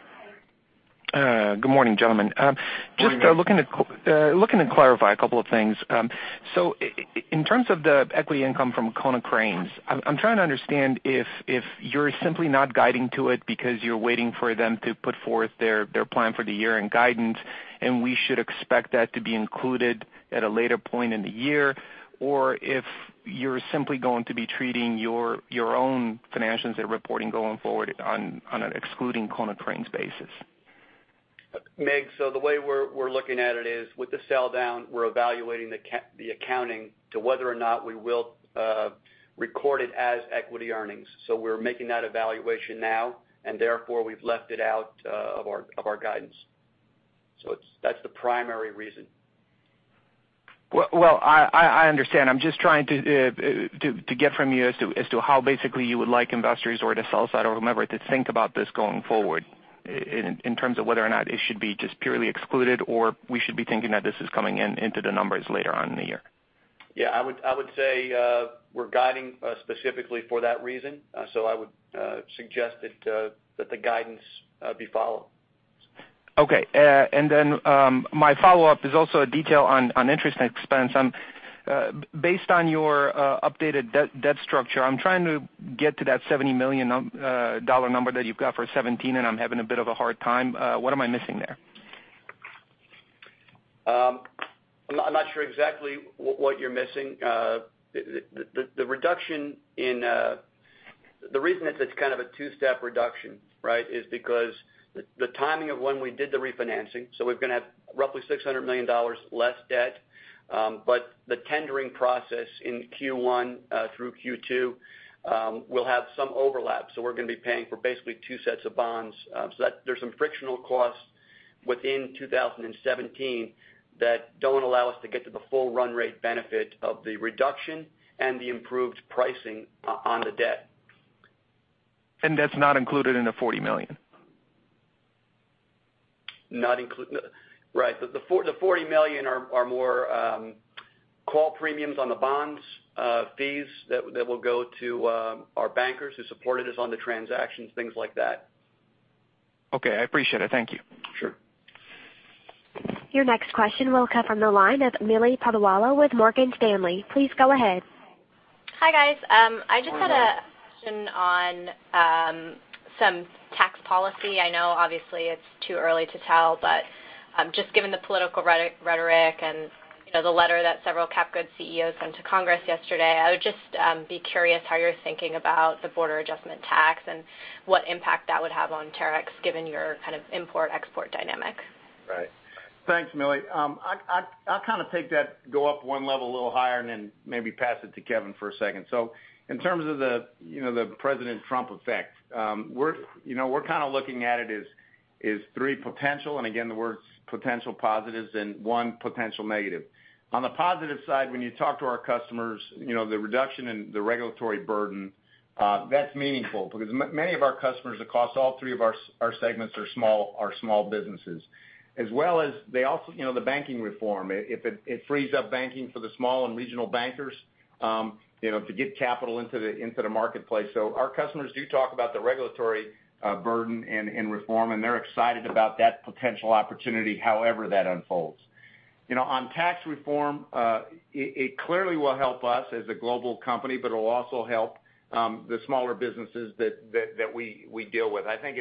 Good morning, gentlemen. Good morning. Just looking to clarify a couple of things. In terms of the equity income from Konecranes, I'm trying to understand if you're simply not guiding to it because you're waiting for them to put forth their plan for the year in guidance, and we should expect that to be included at a later point in the year, or if you're simply going to be treating your own financials and reporting going forward on an excluding Konecranes basis. Mig, the way we're looking at it is, with the sell-down, we're evaluating the accounting to whether or not we will record it as equity earnings. We're making that evaluation now, and therefore we've left it out of our guidance. That's the primary reason. Well, I understand. I'm just trying to get from you as to how basically you would like investors or the sell side or whomever to think about this going forward in terms of whether or not it should be just purely excluded, or we should be thinking that this is coming into the numbers later on in the year. Yeah, I would say we're guiding specifically for that reason. I would suggest that the guidance be followed. Okay. Then my follow-up is also a detail on interest and expense. Based on your updated debt structure, I'm trying to get to that $70 million number that you've got for 2017, I'm having a bit of a hard time. What am I missing there? I'm not sure exactly what you're missing. The reason it's kind of a two-step reduction, right, is because the timing of when we did the refinancing. We're gonna have roughly $600 million less debt. The tendering process in Q1 through Q2 will have some overlap. We're gonna be paying for basically two sets of bonds. There's some frictional costs within 2017 that don't allow us to get to the full run rate benefit of the reduction and the improved pricing on the debt. That's not included in the $40 million? Right. The $40 million are more call premiums on the bonds, fees that will go to our bankers who supported us on the transactions, things like that. Okay, I appreciate it. Thank you. Sure. Your next question will come from the line of Mili Patel with Morgan Stanley. Please go ahead. Hi, guys. Morning. I just had a question on some tax policy. I know obviously it's too early to tell, but given the political rhetoric and the letter that several Capital Goods CEOs sent to Congress yesterday, I would just be curious how you're thinking about the border adjustment tax and what impact that would have on Terex given your kind of import-export dynamic. Right. Thanks, Mili. I'll kind of take that, go up one level a little higher, and then maybe pass it to Kevin for a second. In terms of the Donald Trump effect, we're kind of looking at it as three potential, and again, the word's potential positives and one potential negative. On the positive side, when you talk to our customers, the reduction in the regulatory burden, that's meaningful because many of our customers across all three of our segments are small businesses, as well as the banking reform. If it frees up banking for the small and regional bankers to get capital into the marketplace. Our customers do talk about the regulatory burden and reform, and they're excited about that potential opportunity, however that unfolds. On tax reform, it clearly will help us as a global company, but it'll also help the smaller businesses that we deal with. I think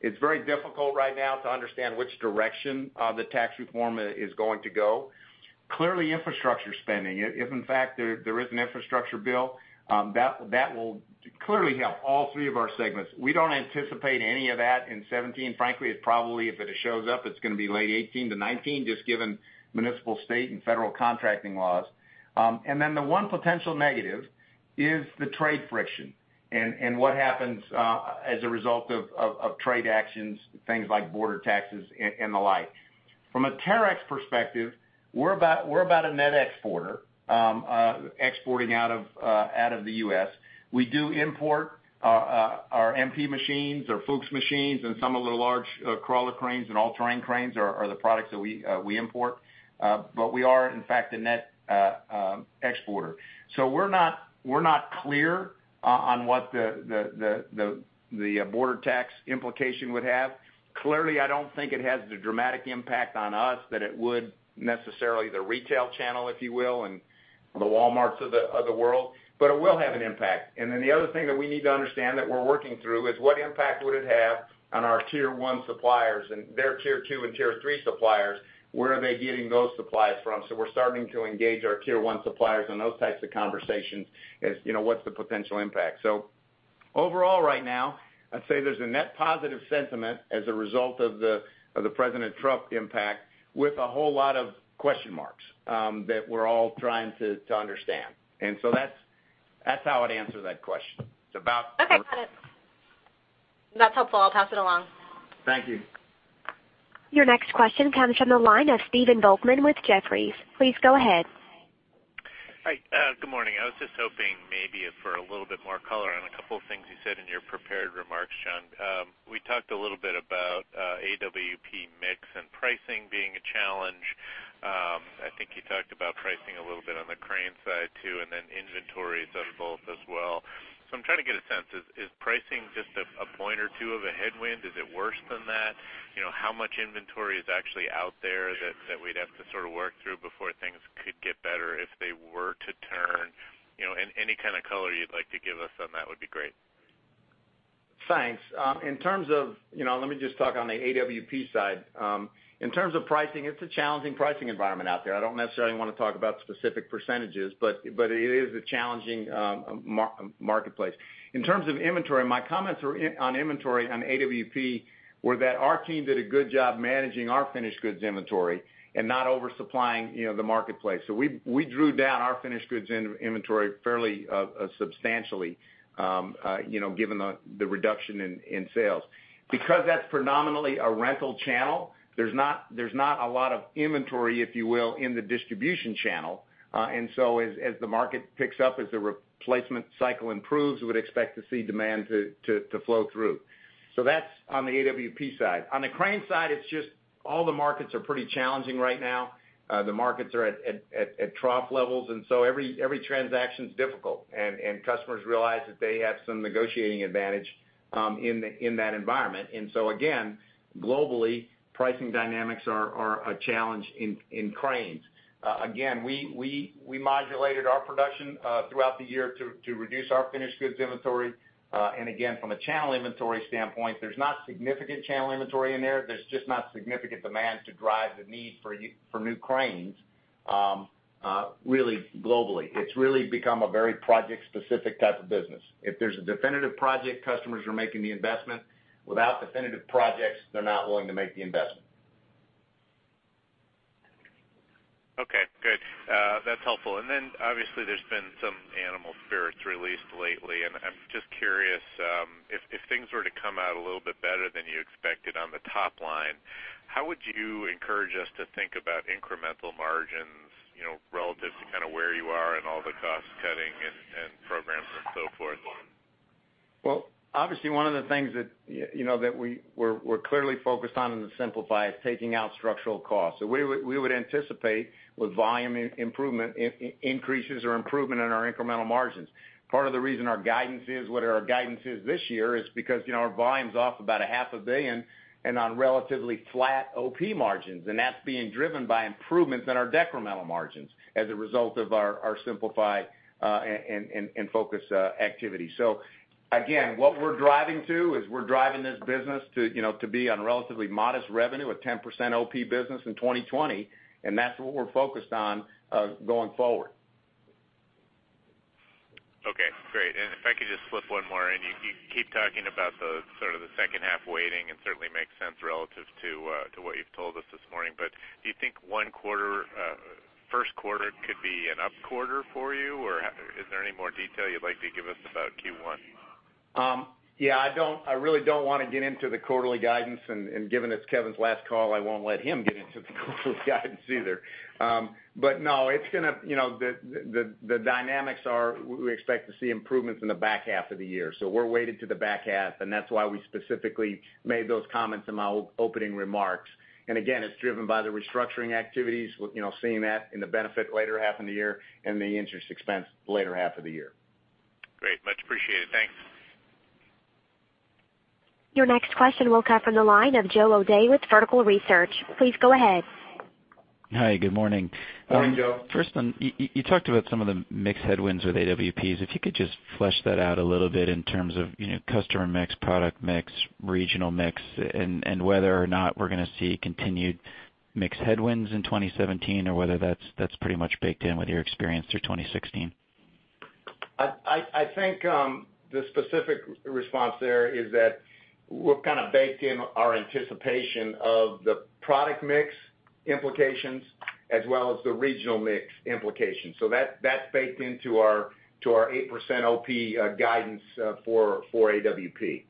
it's very difficult right now to understand which direction the tax reform is going to go. Clearly, infrastructure spending. If in fact there is an infrastructure bill, that will clearly help all three of our segments. We don't anticipate any of that in 2017. Frankly, it probably, if it shows up, it's gonna be late 2018 to 2019, just given municipal, state, and federal contracting laws. The one potential negative is the trade friction and what happens as a result of trade actions, things like border taxes and the like. From a Terex perspective, we're about a net exporter, exporting out of the U.S. We do import our MP machines, our Fuchs machines, and some of the large crawler cranes and all-terrain cranes are the products that we import. We are, in fact, a net exporter. We're not clear on what the border tax implication would have. Clearly, I don't think it has the dramatic impact on us that it would necessarily the retail channel, if you will, and the Walmarts of the world, but it will have an impact. The other thing that we need to understand that we're working through is what impact would it have on our tier 1 suppliers and their tier 2 and tier 3 suppliers. Where are they getting those supplies from? We're starting to engage our tier 1 suppliers on those types of conversations as what's the potential impact. Overall right now, I'd say there's a net positive sentiment as a result of the President Trump impact with a whole lot of question marks that we're all trying to understand. That's how I'd answer that question. Okay, got it. That's helpful. I'll pass it along. Thank you. Your next question comes from the line of Stephen Volkmann with Jefferies. Please go ahead. Hi. Good morning. I was just hoping maybe for a little bit more color on a couple of things you said in your prepared remarks, John. We talked a little bit about AWP mix and pricing being a challenge I think you talked about pricing a little bit on the crane side too, and then inventories of both as well. I'm trying to get a sense, is pricing just a point or two of a headwind? Is it worse than that? How much inventory is actually out there that we'd have to sort of work through before things could get better if they were to turn? Any kind of color you'd like to give us on that would be great. Thanks. Let me just talk on the AWP side. In terms of pricing, it's a challenging pricing environment out there. I don't necessarily want to talk about specific percentages, but it is a challenging marketplace. In terms of inventory, my comments on inventory on AWP were that our team did a good job managing our finished goods inventory and not oversupplying the marketplace. We drew down our finished goods inventory fairly substantially given the reduction in sales. Because that's predominantly a rental channel, there's not a lot of inventory, if you will, in the distribution channel. As the market picks up, as the replacement cycle improves, we would expect to see demand to flow through. That's on the AWP side. On the crane side, it's just all the markets are pretty challenging right now. The markets are at trough levels, every transaction's difficult, customers realize that they have some negotiating advantage in that environment. Again, globally, pricing dynamics are a challenge in cranes. Again, we modulated our production throughout the year to reduce our finished goods inventory. Again, from a channel inventory standpoint, there's not significant channel inventory in there. There's just not significant demand to drive the need for new cranes, really globally. It's really become a very project-specific type of business. If there's a definitive project, customers are making the investment. Without definitive projects, they're not willing to make the investment. Okay, good. That's helpful. Then obviously there's been some animal spirits released lately, and I'm just curious, if things were to come out a little bit better than you expected on the top line, how would you encourage us to think about incremental margins relative to kind of where you are and all the cost cutting and programs and so forth? Well, obviously one of the things that we're clearly focused on in the Simplify is taking out structural costs. We would anticipate with volume improvement, increases or improvement in our incremental margins. Part of the reason our guidance is what our guidance is this year is because our volume's off about a half a billion and on relatively flat OP margins, and that's being driven by improvements in our decremental margins as a result of our Simplify and Focus activity. Again, what we're driving to is we're driving this business to be on relatively modest revenue, a 10% OP business in 2020, and that's what we're focused on going forward. Okay, great. If I could just slip one more in. You keep talking about the sort of the second half waiting, and certainly makes sense relative to what you've told us this morning. Do you think first quarter could be an up quarter for you, or is there any more detail you'd like to give us about Q1? I really don't want to get into the quarterly guidance, given it's Kevin's last call, I won't let him get into the quarterly guidance either. The dynamics are we expect to see improvements in the back half of the year. We're weighted to the back half, and that's why we specifically made those comments in my opening remarks. Again, it's driven by the restructuring activities, seeing that in the benefit later half of the year and the interest expense later half of the year. Great, much appreciated. Thanks. Your next question will come from the line of Joe O'Dea with Vertical Research. Please go ahead. Hi, good morning. Morning, Joe. You talked about some of the mix headwinds with AWP. If you could just flesh that out a little bit in terms of customer mix, product mix, regional mix, and whether or not we're going to see continued mix headwinds in 2017 or whether that's pretty much baked in with your experience through 2016. I think the specific response there is that we've kind of baked in our anticipation of the product mix implications as well as the regional mix implications. That's baked into our 8% OP guidance for AWP.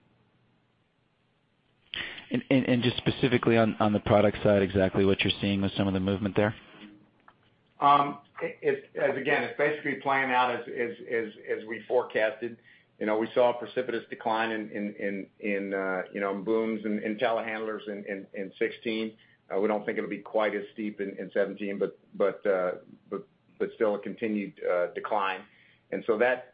Just specifically on the product side, exactly what you're seeing with some of the movement there? It's basically playing out as we forecasted. We saw a precipitous decline in booms and telehandlers in 2016. We don't think it'll be quite as steep in 2017, but still a continued decline. That's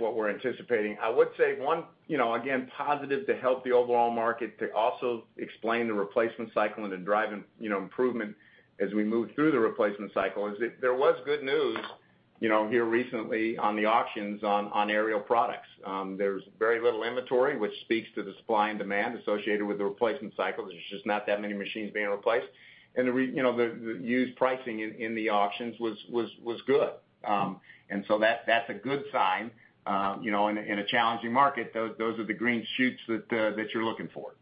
what we're anticipating. I would say one, again, positive to help the overall market to also explain the replacement cycle and the driving improvement as we move through the replacement cycle is there was good news here recently on the auctions on aerial products. There's very little inventory, which speaks to the supply and demand associated with the replacement cycle. There's just not that many machines being replaced. The used pricing in the auctions was good. That's a good sign. In a challenging market, those are the green shoots that you're looking for.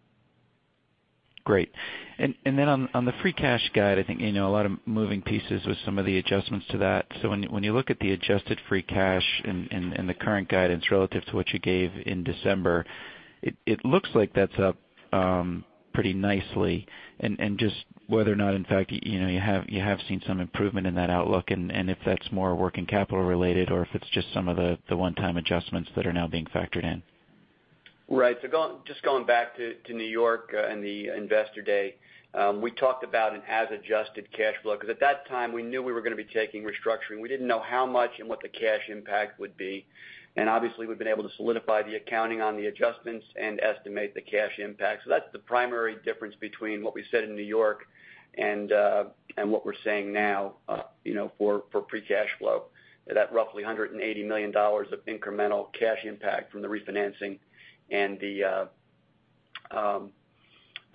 Great. On the free cash guide, I think a lot of moving pieces with some of the adjustments to that. When you look at the adjusted free cash and the current guidance relative to what you gave in December, it looks like that's up pretty nicely. Just whether or not, in fact, you have seen some improvement in that outlook, and if that's more working capital related or if it's just some of the one-time adjustments that are now being factored in. Right. Just going back to N.Y. and the Investor Day. We talked about an as-adjusted cash flow, because at that time, we knew we were going to be taking restructuring. We didn't know how much and what the cash impact would be. Obviously, we've been able to solidify the accounting on the adjustments and estimate the cash impact. That's the primary difference between what we said in N.Y. and what we're saying now for pre-cash flow. That roughly $180 million of incremental cash impact from the refinancing and the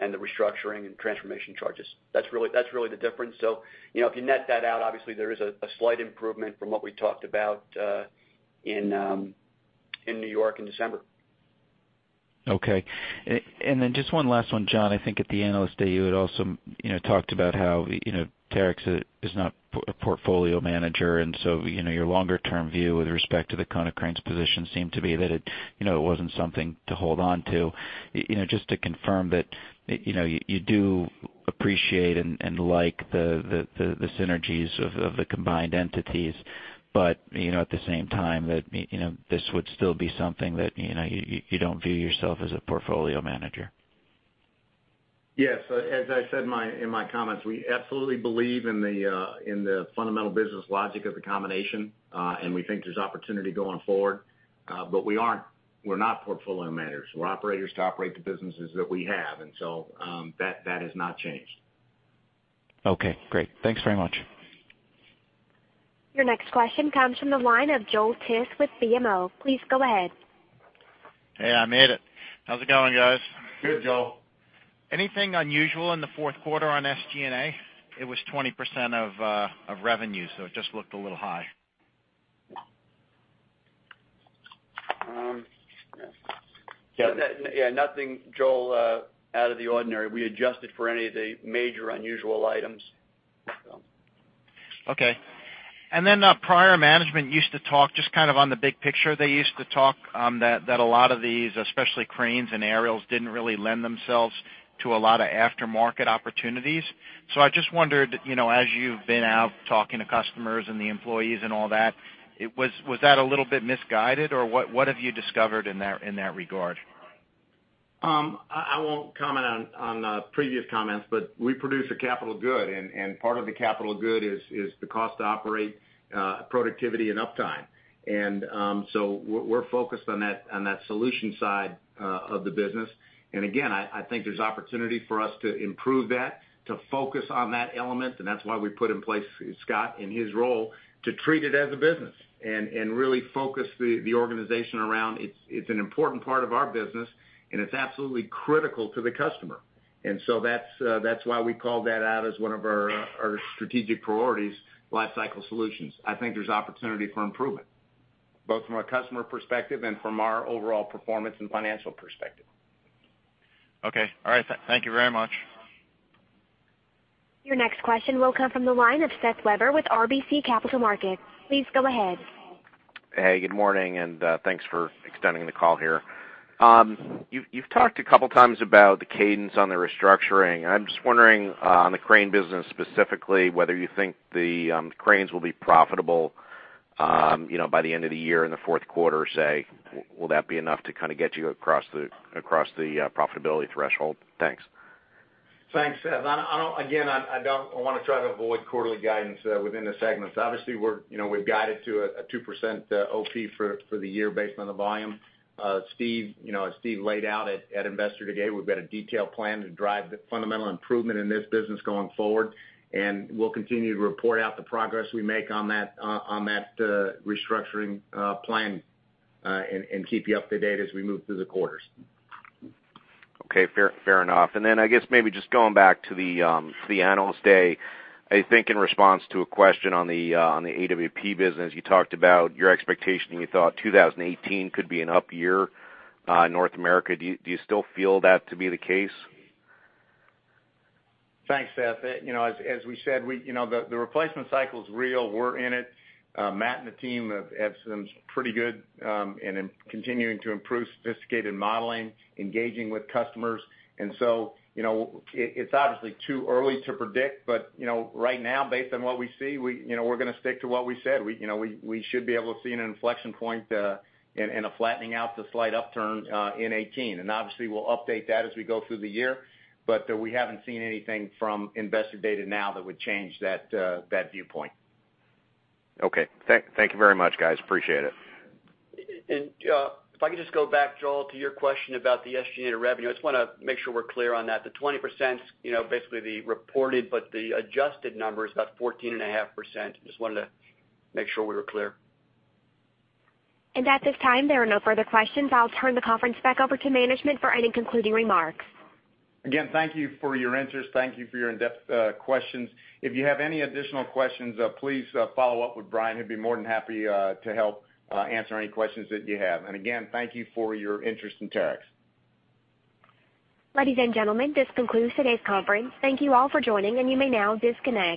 restructuring and transformation charges. That's really the difference. If you net that out, obviously there is a slight improvement from what we talked about in N.Y. in December. Okay. Just one last one, John. I think at the Analyst Day, you had also talked about how Terex is not a portfolio manager, your longer-term view with respect to the Konecranes position seemed to be that it wasn't something to hold on to. Just to confirm that you do appreciate and like the synergies of the combined entities, at the same time, that this would still be something that you don't view yourself as a portfolio manager. Yes. As I said in my comments, we absolutely believe in the fundamental business logic of the combination, and we think there's opportunity going forward. We're not portfolio managers. We're operators to operate the businesses that we have. That has not changed. Okay, great. Thanks very much. Your next question comes from the line of Joel Tiss with BMO. Please go ahead. Hey, I made it. How's it going, guys? Good, Joel. Anything unusual in the fourth quarter on SG&A? It was 20% of revenue. It just looked a little high. Yeah, nothing, Joel, out of the ordinary. We adjusted for any of the major unusual items. Okay. Prior management used to talk, just kind of on the big picture, they used to talk that a lot of these, especially cranes and aerials, didn't really lend themselves to a lot of aftermarket opportunities. I just wondered, as you've been out talking to customers and the employees and all that, was that a little bit misguided, or what have you discovered in that regard? I won't comment on previous comments, but we produce a capital good, and part of the capital good is the cost to operate, productivity, and uptime. So we're focused on that solution side of the business. Again, I think there's opportunity for us to improve that, to focus on that element, and that's why we put in place Scott in his role to treat it as a business and really focus the organization around it. It's an important part of our business, and it's absolutely critical to the customer. So that's why we called that out as one of our strategic priorities, lifecycle solutions. I think there's opportunity for improvement, both from a customer perspective and from our overall performance and financial perspective. Okay. All right. Thank you very much. Your next question will come from the line of Seth Weber with RBC Capital Markets. Please go ahead. Good morning, and thanks for extending the call here. You've talked a couple times about the cadence on the restructuring. I'm just wondering, on the crane business specifically, whether you think the cranes will be profitable by the end of the year, in the fourth quarter, say. Will that be enough to kind of get you across the profitability threshold? Thanks. Thanks, Seth. Again, I want to try to avoid quarterly guidance within the segments. Obviously, we've guided to a 2% OP for the year based on the volume. As Steve laid out at Investor Day, we've got a detailed plan to drive fundamental improvement in this business going forward, and we'll continue to report out the progress we make on that restructuring plan and keep you up to date as we move through the quarters. Okay, fair enough. I guess maybe just going back to the Analyst Day. I think in response to a question on the AWP business, you talked about your expectation that you thought 2018 could be an up year in North America. Do you still feel that to be the case? Thanks, Seth. As we said, the replacement cycle's real. We're in it. Matt and the team have some pretty good and continuing to improve sophisticated modeling, engaging with customers, it's obviously too early to predict, but right now, based on what we see, we're going to stick to what we said. We should be able to see an inflection point and a flattening out to slight upturn in 2018. Obviously, we'll update that as we go through the year. We haven't seen anything from investor data now that would change that viewpoint. Okay. Thank you very much, guys. Appreciate it. If I could just go back, Joe, to your question about the SG&A revenue. I just want to make sure we're clear on that. The 20% is basically the reported, but the adjusted number is about 14.5%. Just wanted to make sure we were clear. At this time, there are no further questions. I'll turn the conference back over to management for any concluding remarks. Again, thank you for your interest. Thank you for your in-depth questions. If you have any additional questions, please follow up with Brian. He'd be more than happy to help answer any questions that you have. Again, thank you for your interest in Terex. Ladies and gentlemen, this concludes today's conference. Thank you all for joining, and you may now disconnect.